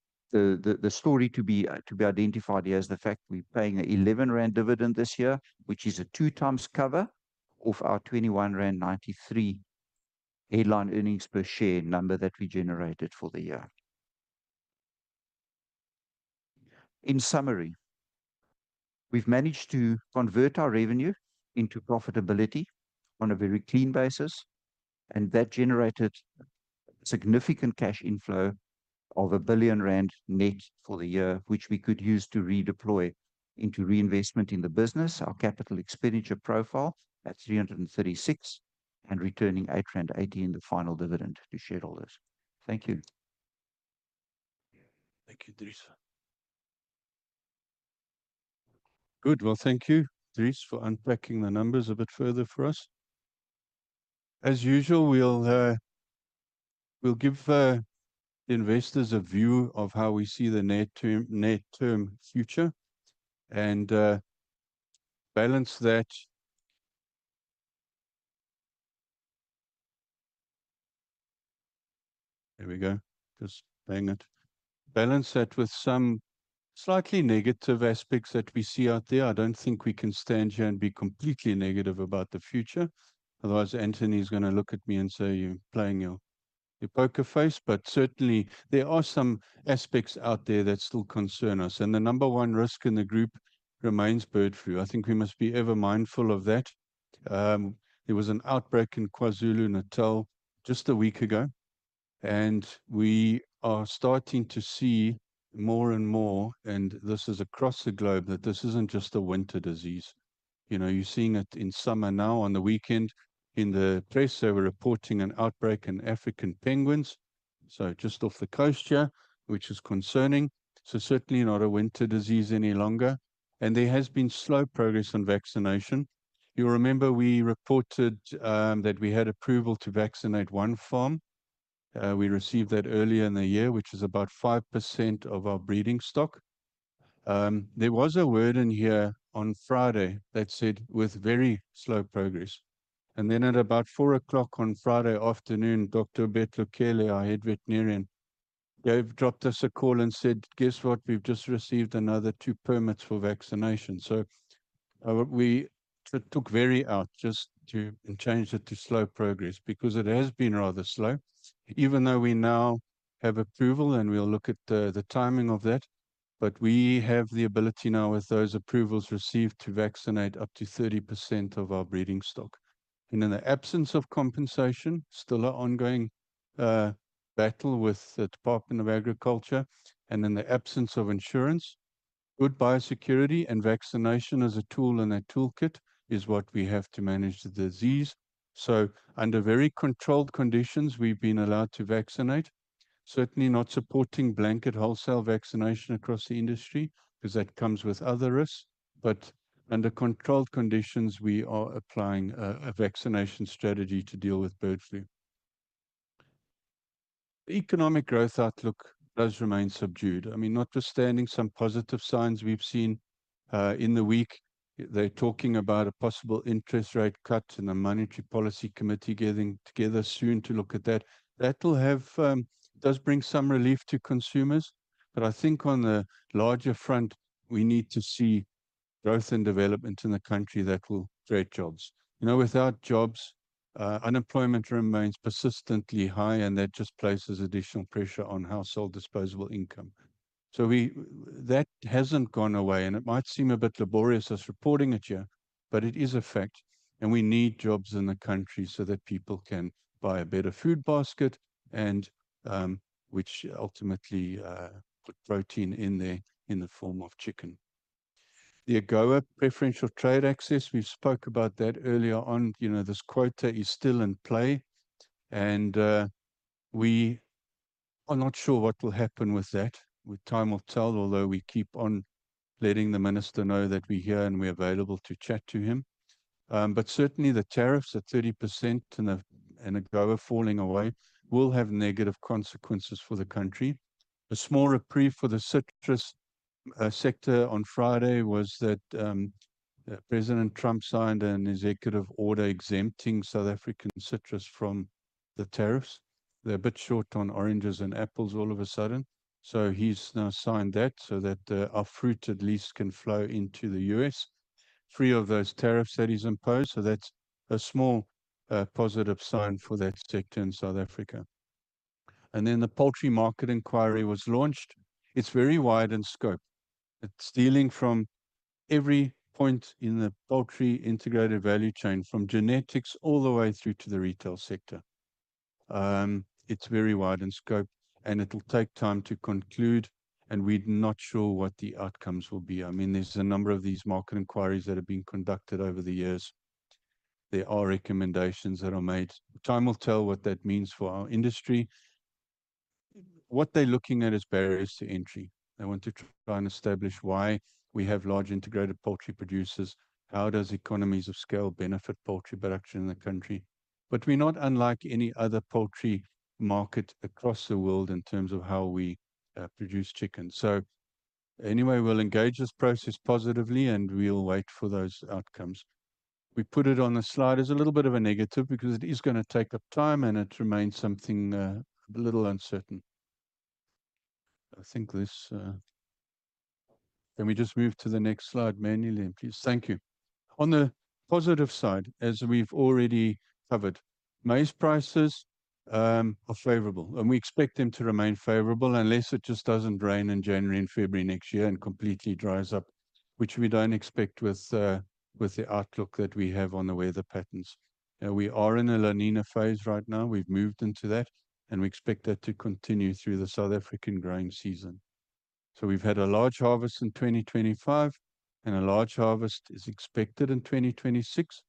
story to be identified here is the fact we're paying 11 rand dividend this year which is a 2x cover of our 21.93 rand headline earnings per share number that we generated for the year. In summary we've managed to convert our revenue into profitability on a very clean basis and that generated significant cash inflow of 1 billion rand net for the year which we could use to redeploy into reinvestment in the business. Our capital expenditure profile at 336 and returning 8.80 in the final dividend to shareholders. Thank you. Thank you, Dries. Good. Thank you, Dries, for unpacking the numbers a bit further for us. As usual, we'll give investors a view of how we see the net term, net term future and balance that. There we go. Just bang it. Balance that with some slightly negative aspects that we see out there. I don't think we can stand here and be completely negative about the future; otherwise, Anthony is going to look at me and say you're playing your poker face, but certainly there are some aspects out there that still concern us. The number one risk in the group remains bird flu. I think we must be ever mindful of that. There was an outbreak in KwaZulu-Natal just a week ago, and we are starting to see more and more, and this is across the globe, that this isn't just a winter disease. You know, you're seeing it in summer. Now on the weekend in the press they were reporting an outbreak in African penguins just off the coast here which is concerning. Certainly not a winter disease any longer and there has been slow progress on vaccination. You remember we reported that we had approval to vaccinate one farm. We received that earlier in the year which is about 5% of our breeding stock. There was a word in here on Friday that said with very slow progress and then at about 4:00 P.M. on Friday afternoon Dr. Obed Lukhele, our Head Veterinarian, dropped us a call and said guess what, we've just received another two permits for vaccination. We took very out just to and changed it to slow progress because it has been rather slow, even though we now have approval and we'll look at the timing of that. We have the ability now, with those approvals received, to vaccinate up to 30% of our breeding stock. In the absence of compensation, still an ongoing battle with the Department of Agriculture, and in the absence of insurance, good biosecurity and vaccination as a tool in that toolkit is what we have to manage the disease. Under very controlled conditions, we've been allowed to vaccinate, certainly not supporting blanket wholesale vaccination across the industry because that comes with other risks. Under controlled conditions, we are applying a vaccination strategy to deal with bird flu. The economic growth outlook does remain subdued. I mean, notwithstanding some positive signs we've seen in the week. They're talking about a possible interest rate cut and the Monetary Policy Committee getting together soon to look at that. That will have, does bring some relief to consumers. I think on the larger front, we need to see growth and development in the country that will create jobs. You know, without jobs, unemployment remains persistently high and that just places additional pressure on household disposable income. That hasn't gone away. It might seem a bit laborious as reporting it here, but it is a fact. We need jobs in the country so that people can buy a better food basket and which ultimately put protein in there in the form of chicken. The AGOA preferential trade access. We spoke about that earlier on. You know, this quota is still in play and we are not sure what will happen with that with time will tell, although we keep on letting the minister know that we hear and we are available to chat to him. Certainly the tariffs at 30% and AGOA falling away will have negative consequences for the country. A small reprieve for the citrus sector on Friday was that President Trump signed an executive order exempting South African citrus from the tariffs. They are a bit short on oranges and apples all of a sudden. He has now signed that so that our fruit at least can flow into the U.S. free of those tariffs that he has imposed. That is a small positive sign for that sector in South Africa. The poultry market inquiry was launched. It is very wide in scope. It's dealing from every point in the poultry integrated value chain, from genetics all the way through to the retail sector. It's very wide in scope and it'll take time to conclude. We're not sure what the outcomes will be. I mean, there's a number of these market inquiries that have been conducted over the years. There are recommendations that are made. Time will tell what that means for our industry. What they're looking at is barriers to entry. They want to try and establish why we have large integrated poultry producers. How does economies of scale benefit poultry production in the country? We're not unlike any other poultry market across the world in terms of how we produce chicken. Anyway, we'll engage this process positively and we'll wait for those outcomes. We put it on the slide as a little bit of a negative because it is going to take up time and it remains something a little uncertain. I think this. Let me just move to the next slide manually, please. Thank you. On the positive side, as we've already covered, maize prices are favorable and we expect them to remain favorable. Unless it just does not rain in January and February next year and completely dries up, which we do not expect. With the outlook that we have on the weather patterns. We are in a La Niña phase right now. We have moved into that and we expect that to continue through the South African growing season. We have had a large harvest in 2025 and a large harvest is expected in 2026.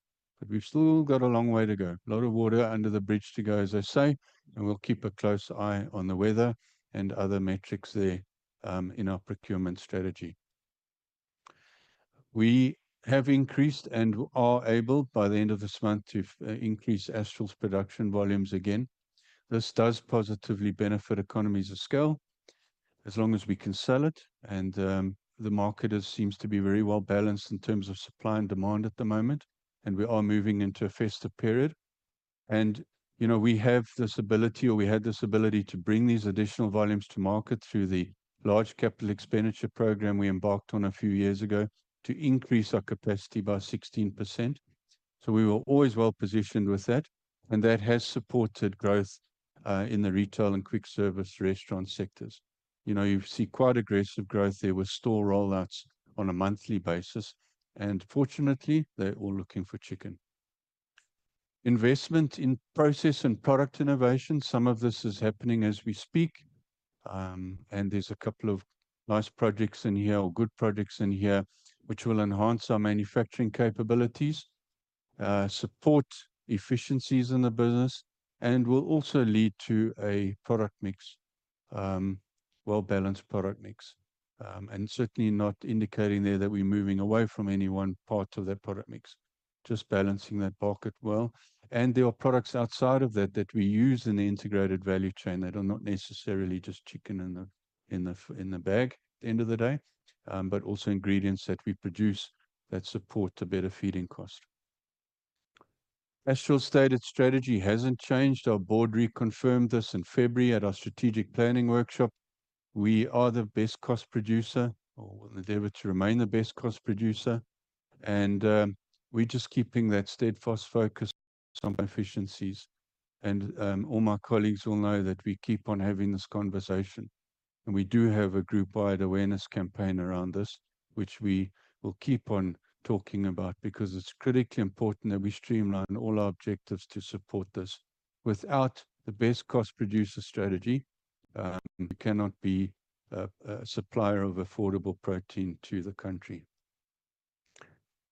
We have still got a long way to go, a lot of water under the bridge to go, as I say. We will keep a close eye on the weather and other metrics there. In our procurement strategy, we have increased and are able by the end of this month to increase Astral's production volumes. Again, this does positively benefit economies of scale as long as we can sell it. The market seems to be very well balanced in terms of supply and demand at the moment. We are moving into a festive period and, you know, we have this ability or we had this ability to bring these additional volumes to market through the large capital expenditure program we embarked on a few years ago to increase our capacity by 16%. We were always well positioned with that. That has supported growth in the retail and quick service restaurant sectors. You know, you see quite aggressive growth there with store rollouts on a monthly basis. Fortunately, they're all looking for chicken investment in process and product innovation. Some of this is happening as we speak and there's a couple of nice projects in here or good projects in here which will enhance our manufacturing capabilities, support efficiencies in the business and will also lead to a product mix, well balanced product mix and certainly not indicating there that we're moving away from any one part of that product mix, just balancing that bucket well. There are products outside of that that we use in the integrated value chain that are not necessarily just chicken in the bag at the end of the day, but also ingredients that we produce that support a better feeding cost. Astral stated strategy has not changed. Our board reconfirmed this in February at our strategic planning workshop. We are the best cost producer or endeavor to remain the best cost producer. We are just keeping that steadfast focus on efficiencies. All my colleagues will know that we keep on having this conversation and we do have a group wide awareness campaign around this which we will keep on talking about because it is critically important that we streamline all our objectives to support this. Without the best cost producer strategy we cannot be a supplier of affordable protein to the country.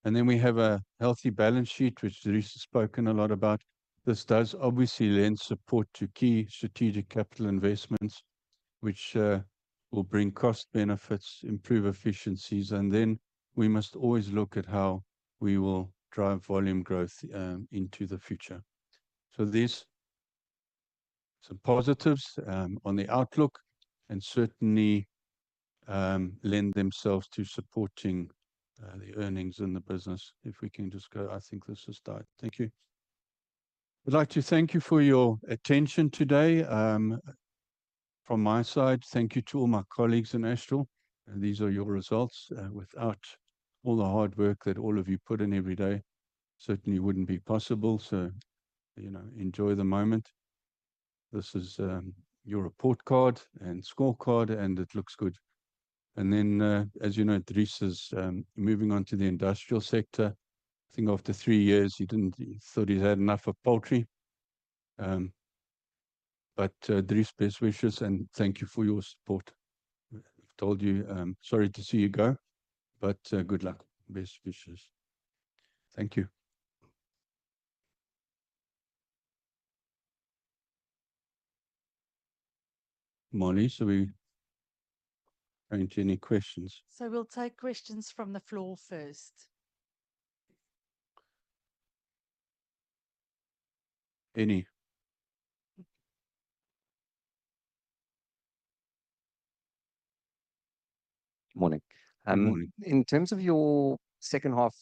We have a healthy balance sheet which Theresa has spoken a lot about. This does obviously lend support to key strategic capital investments which will bring cost benefits, improve efficiencies, and we must always look at how we will drive volume growth into the future. These are some positives on the outlook and certainly lend themselves to supporting the earnings in the business. If we can just go. I think this has died. Thank you. I would like to thank you for your attention today from my side. Thank you to all my colleagues in Astral and these are your results. Without all the hard work that all of you put in every day, it certainly wouldn't be possible. You know, enjoy the moment. This is your report card and scorecard and it looks good. As you know, Dries is moving on to the industrial sector. I think after three years he didn't think he's had enough of poultry. But Dries, best wishes and thank you for your support. I've told you, sorry to see you go, but good luck. Best wishes. Thank you. Marlize, are we going to any questions? We'll take questions from the floor first. In terms of your second half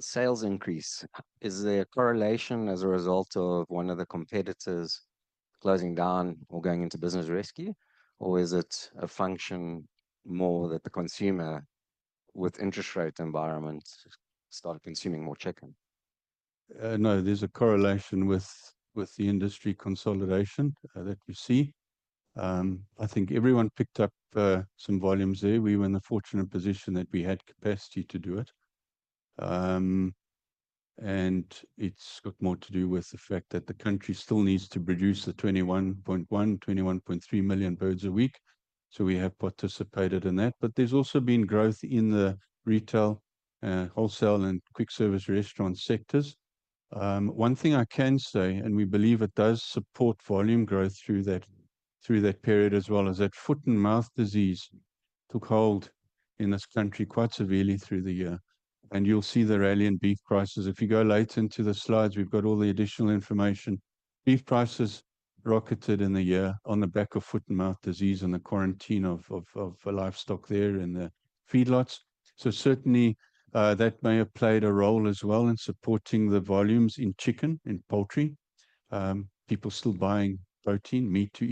sales increase, is there a correlation as a result of one of the competitors closing down or going into business rescue, or is it a function more that the consumer with interest rate environment started consuming more chicken? No, there's a correlation with the industry consolidation that you see. I think everyone picked up some volumes there. We were in the fortunate position that we had capacity to do it. It has more to do with the fact that the country still needs to produce 21.1-21.3 million birds a week. We have participated in that. There has also been growth in the retail, wholesale, and quick service restaurant sectors. One thing I can say, and we believe it does support volume growth through that period as well, is that foot and mouth disease took hold in this country quite severely through the year. You will see the alien beef prices. If you go late into the slides, we have all the additional information. Beef prices rocketed in the year on the back of foot and mouth disease and the quarantine of livestock there in the feedlots. Certainly that may have played a role as well in supporting the volumes in chicken, in poultry, people still buying protein meat to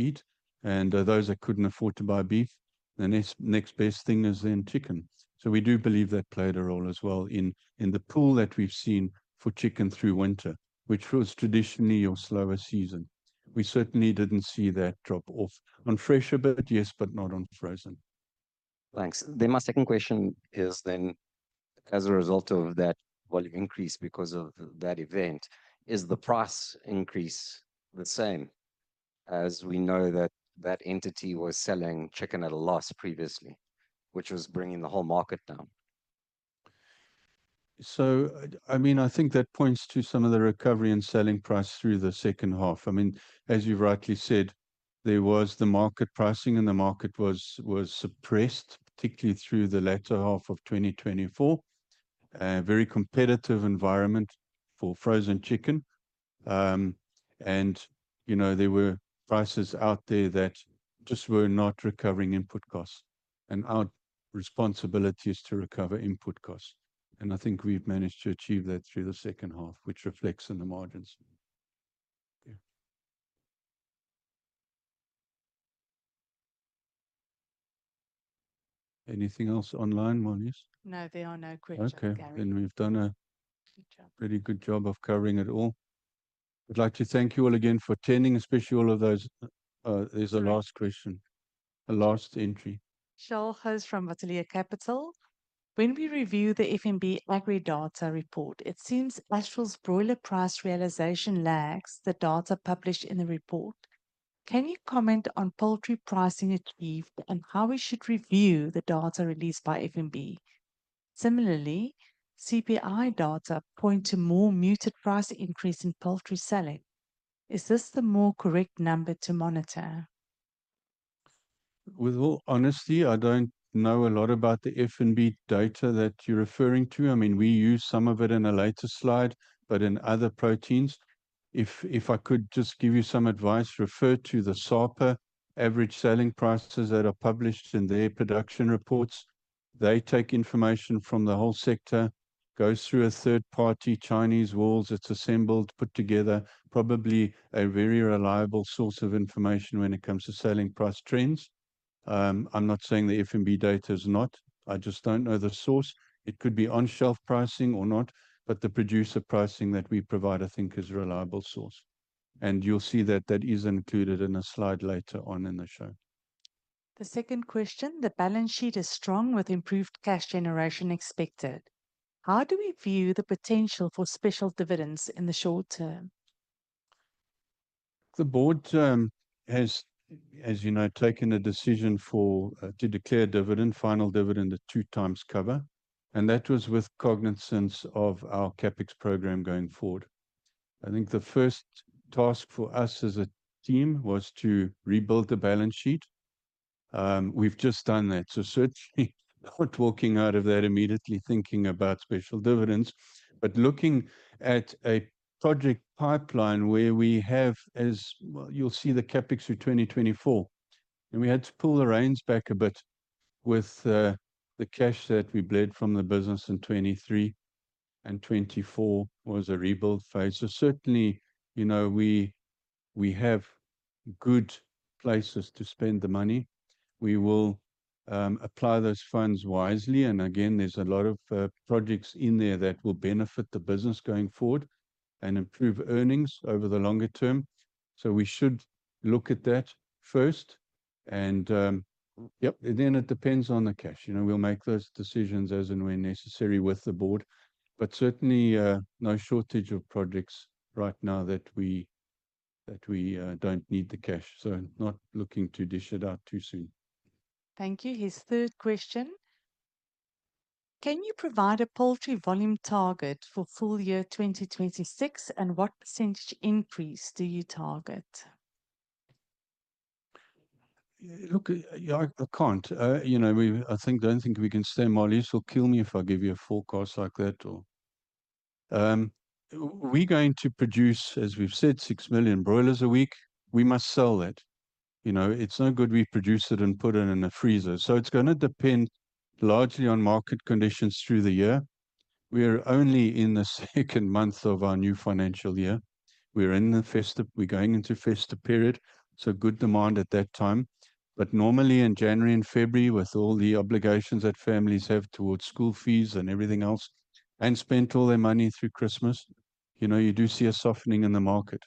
eat and those that could not afford to buy beef, the next best thing is then chicken. We do believe that played a role as well in the pull that we have seen for chicken through winter, which was traditionally your slower season. We certainly did not see that drop off on fresh a bit, yes, but not on frozen. Thanks. My second question is then, as a result of that volume increase, because of that event, is the price increase the same as we know that that entity was selling chicken at a loss previously, which was bringing the whole market down. I mean, I think that points to some of the recovery in selling price through the second half. I mean, as you rightly said, there was the market pricing and the market was suppressed, particularly through the latter half of 2024. Very competitive environment for frozen chicken. You know, there were prices out there that just were not recovering input costs. Our responsibility is to recover input costs. I think we've managed to achieve that through the second half, which reflects in the margins. Anything else online, Marlize? No, there are no questions, Gary. Ok. We've done a pretty good job of covering it all. I'd like to thank you all again for attending, especially all of those. There's a last question, a last entry [Shaul Hoss from Vitalia Capital]. When we review the FNB Agri data report, it seems Astral's broiler price realization lacks the data published in the report. Can you comment on poultry pricing achieved and how we should review the data released by FNB? Similarly, CPI data point to more muted price increase in poultry selling. Is this the more correct number to monitor? With all honesty, I don't know a lot about the FNB data that you're referring to. I mean, we use some of it in a later slide, but in other proteins. If I could just give you some advice. Refer to the SAPA average selling prices that are published in their production reports. They take information from the whole sector, goes through a third party, Chinese walls. It's assembled, put together, probably a very reliable source of information when it comes to selling price trends. I'm not saying the FNB data is not, I just don't know the source. It could be on shelf pricing or not. But the producer pricing that we provide I think is a reliable source and you'll see that that is included in a slide later on in the show. The second question, the balance sheet is strong with improved cash generation expected. How do we view the potential for special dividends in the short term? The board has, as you know, taken a decision to declare dividend final dividend at 2x cover and that was with cognizance of our CapEx program going forward. I think the first task for us as a team was to rebuild the balance sheet. We've just done that. Not walking out of that immediately thinking about special dividends, but looking at a project pipeline where we have, as you'll see, the CapEx through 2024. We had to pull the reins back a bit with the cash that we bled from the business in 2023 and 2024 was a rebuild phase. Certainly, you know, we have good places to spend the money. We will apply those funds wisely. Again, there's a lot of projects in there that will benefit the business going forward and improve earnings over the longer term. We should look at that first and then it depends on the cash. You know, we'll make those decisions as and when necessary with the board. Certainly no shortage of projects right now that we, that we do not need the cash. Not looking to dish it out too soon. Thank you. His third question, can you provide a poultry volume target for full year 2026 and what percentage increase do you target? Look, I can't, you know, we, I think, don't think we can stay. Marlize will kill me if I give you a forecast like that. Or we going to produce, as we've said, 6 million broilers a week. We must sell that. You know, it's no good. We produce it and put it in a freezer. It is going to depend largely on market conditions through the year. We are only in the second month of our new financial year. We are in the festive, we are going into festive period. Good demand at that time. Normally in January and February with all the obligations that families have towards school fees and everything else and spent all their money through Christmas, you know, you do see a softening in the market.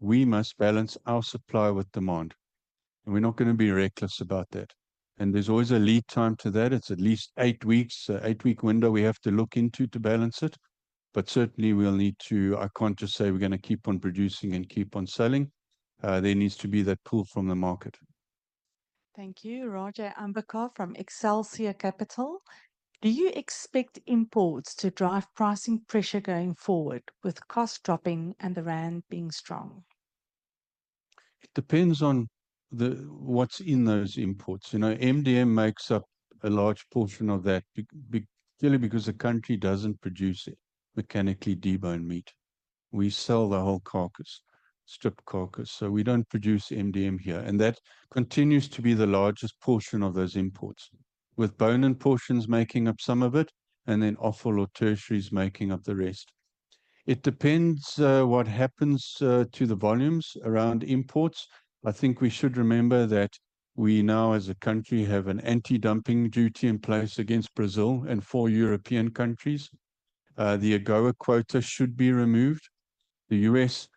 We have always said we must balance, we must balance our supply with demand and we are not going to be reckless about that. There is always a lead time to that. It is at least eight weeks, eight week window we have to look into to balance it. Certainly we will need to. I cannot just say we are going to keep on producing and keep on selling. There needs to be that pull from the market. Thank you. Roger Ambako from Excelsior Capital. Do you expect imports to drive pricing pressure going forward with cost dropping and the rand being strong? It depends on what's in those imports. You know, MDM makes up a large portion of that clearly because the country doesn't produce mechanically deboned meat. We sell the whole carcass, strip carcass so we don't produce MDM here and that continues to be the largest portion of those imports with bone-in portions making up some of it and then offal or tertiaries making up the rest. It depends what happens to the volumes around imports. I think we should remember that we now as a country have an anti-dumping duty in place against Brazil and four European countries. The AGOA quota should be removed. The U.S.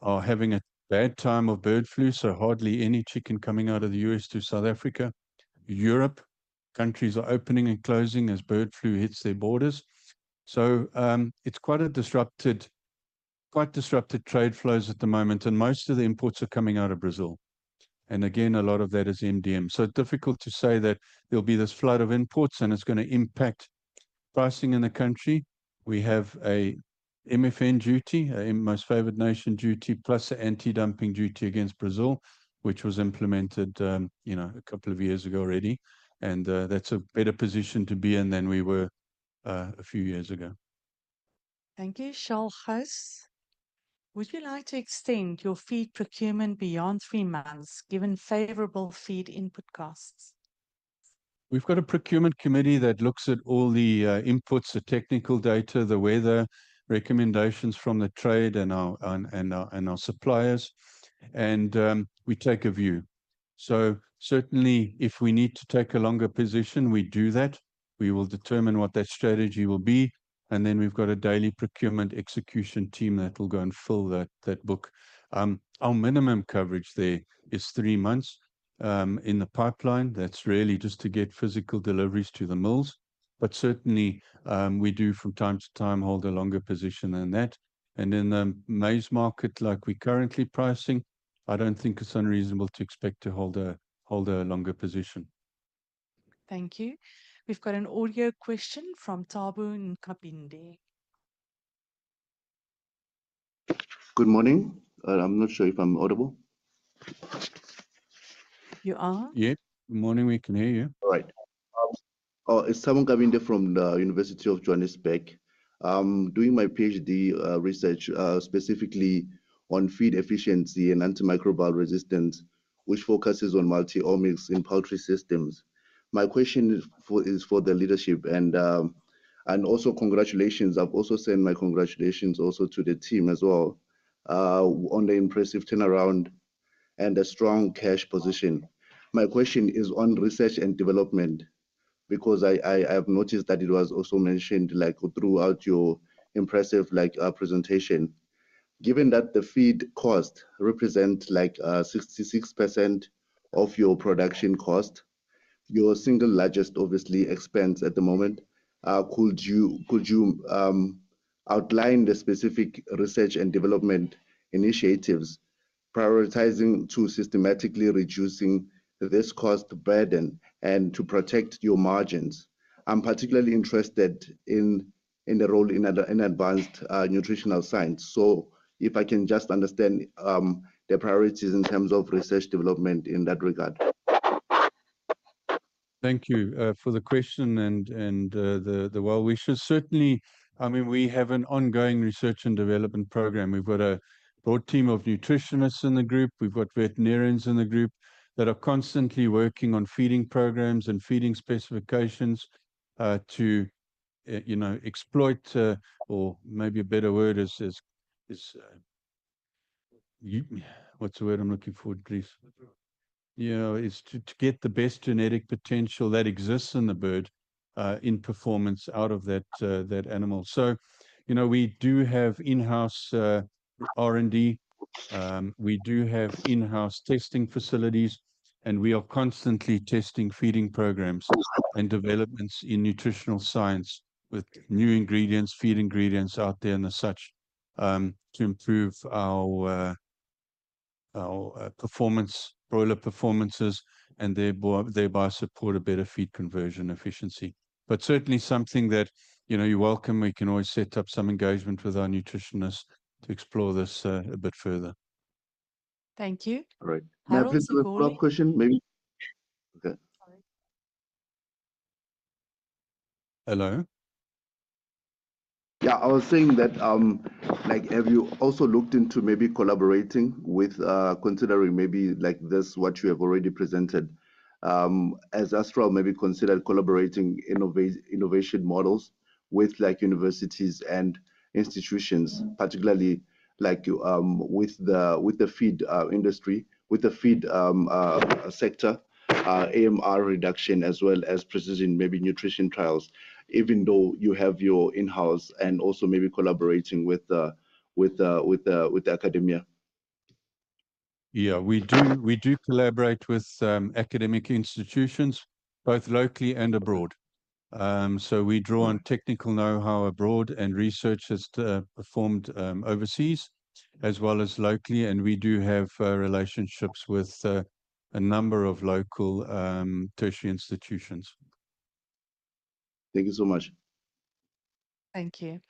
are having a bad time of bird flu so hardly any chicken coming out of the U.S. to South Africa. European countries are opening and closing as bird flu hits their borders. It's quite a disrupted, quite disrupted trade flows at the moment and most of the imports are coming out of Brazil and again a lot of that is MDM so difficult to say that there will be this flood of imports and it's going to impact pricing in the country. We have a MFN duty, Most Favored Nation duty plus anti-dumping duty against Brazil, which was implemented, you know, a couple of years ago already and that's a better position to be in than we were a few years ago. Thank you. Shaul Hoss. Would you like to extend your feed procurement beyond three months given favorable feed input costs? We've got a procurement committee that looks at all the inputs, the technical data, the weather recommendations from the trade and our suppliers, and we take a view. Certainly, if we need to take a longer position, we do that. We will determine what that strategy will be, and then we've got a daily procurement execution team that will go and fill that book. Our minimum coverage there is three months in the pipeline. That's really just to get physical deliveries to the mills. Certainly, we do from time to time hold a longer position than that. In the maize market like we are currently pricing, I don't think it's unreasonable to expect to hold a longer position. Thank you. We've got an audio question from Thabo Nkabinde. Good morning. I'm not sure if I'm audible. You are. Yep. Good morning. We can hear you. It's Thabo Nkabinde from the University of Johannesburg. I'm doing my PhD research specifically on feed efficiency and antimicrobial resistance which focuses on multi omics in poultry systems. My question is for the leadership and also congratulations. I've also sent my congratulations also to the team as well on the impressive turnaround and a strong cash position. My question is on research and development because I have noticed that it was also mentioned throughout your impressive presentation. Given that the feed cost represent 66% of your production cost, your single largest obviously expense at the moment, could you outline the specific research and development initiatives prioritizing to systematically reducing this cost burden and to protect your margins? I'm particularly interested in the role in advanced nutritional science. If I can just understand the priorities in terms of research development in that regard. Thank you for the question. We should certainly, I mean, we have an ongoing research and development program. We have got a broad team of nutritionists in the group. We have got veterinarians in the group that are constantly working on feeding programs and feeding specifications to, you know, exploit or maybe a better word is, what's the word I'm looking for, Dries, yeah, is to get the best genetic potential that exists in the bird in performance out of that animal. You know, we do have in-house R&D, we do have in-house testing facilities, and we are constantly testing feeding programs and developments in nutritional science with new ingredients, feed ingredients out there, and as such to improve our performance, broiler performances, and thereby support a better feed conversion efficiency. Certainly something that, you know, you are welcome. We can always set up some engagement with our nutritionist to explore this a bit further. Thank you. Hello. Yeah, I was saying that like have you also looked into maybe collaborating with, considering maybe like this, what you have already presented as Astral, maybe considered collaborating, innovate innovation models with like universities and institutions, particularly like with the feed industry, with the feed sector, AMR reduction as well as precision maybe nutrition trials even though you have your in-house. And also maybe collaborating with, with the academia? Yeah, we do, we do collaborate with academic institutions both locally and abroad. So we draw on technical know-how abroad and research that's performed overseas as well as locally and we do have relationships with a number of local tertiary institutions. Thank you so much. Thank you.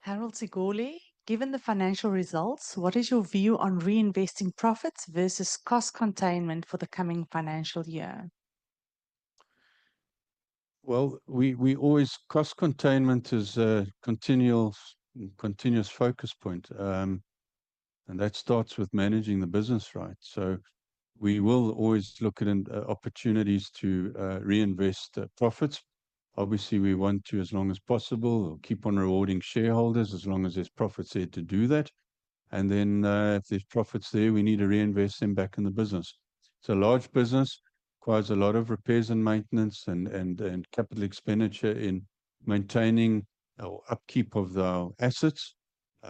Harold Segoolie, given the financial results, what is your view on reinvesting profits versus cost containment for the coming financial year? Cost containment is continual, continuous focus point and that starts with managing the business. Right. We will always look at opportunities to reinvest profits. Obviously we want to as long as possible keep on rewarding shareholders as long as there's profits there to do that. If there's profits there, we need to reinvest them back in the business. It's a large business, requires a lot of repairs and maintenance and capital expenditure in maintaining upkeep of our assets. We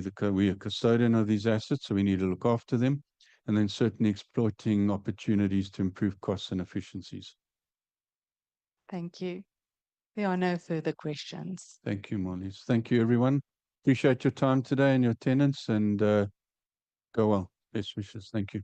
are a custodian of these assets so we need to look after them and then certainly exploiting opportunities to improve costs and efficiencies. Thank you. There are no further questions. Thank you, Marlize. Thank you, everyone. Appreciate your time today and your attendance, and go well. Best wishes. Thank you.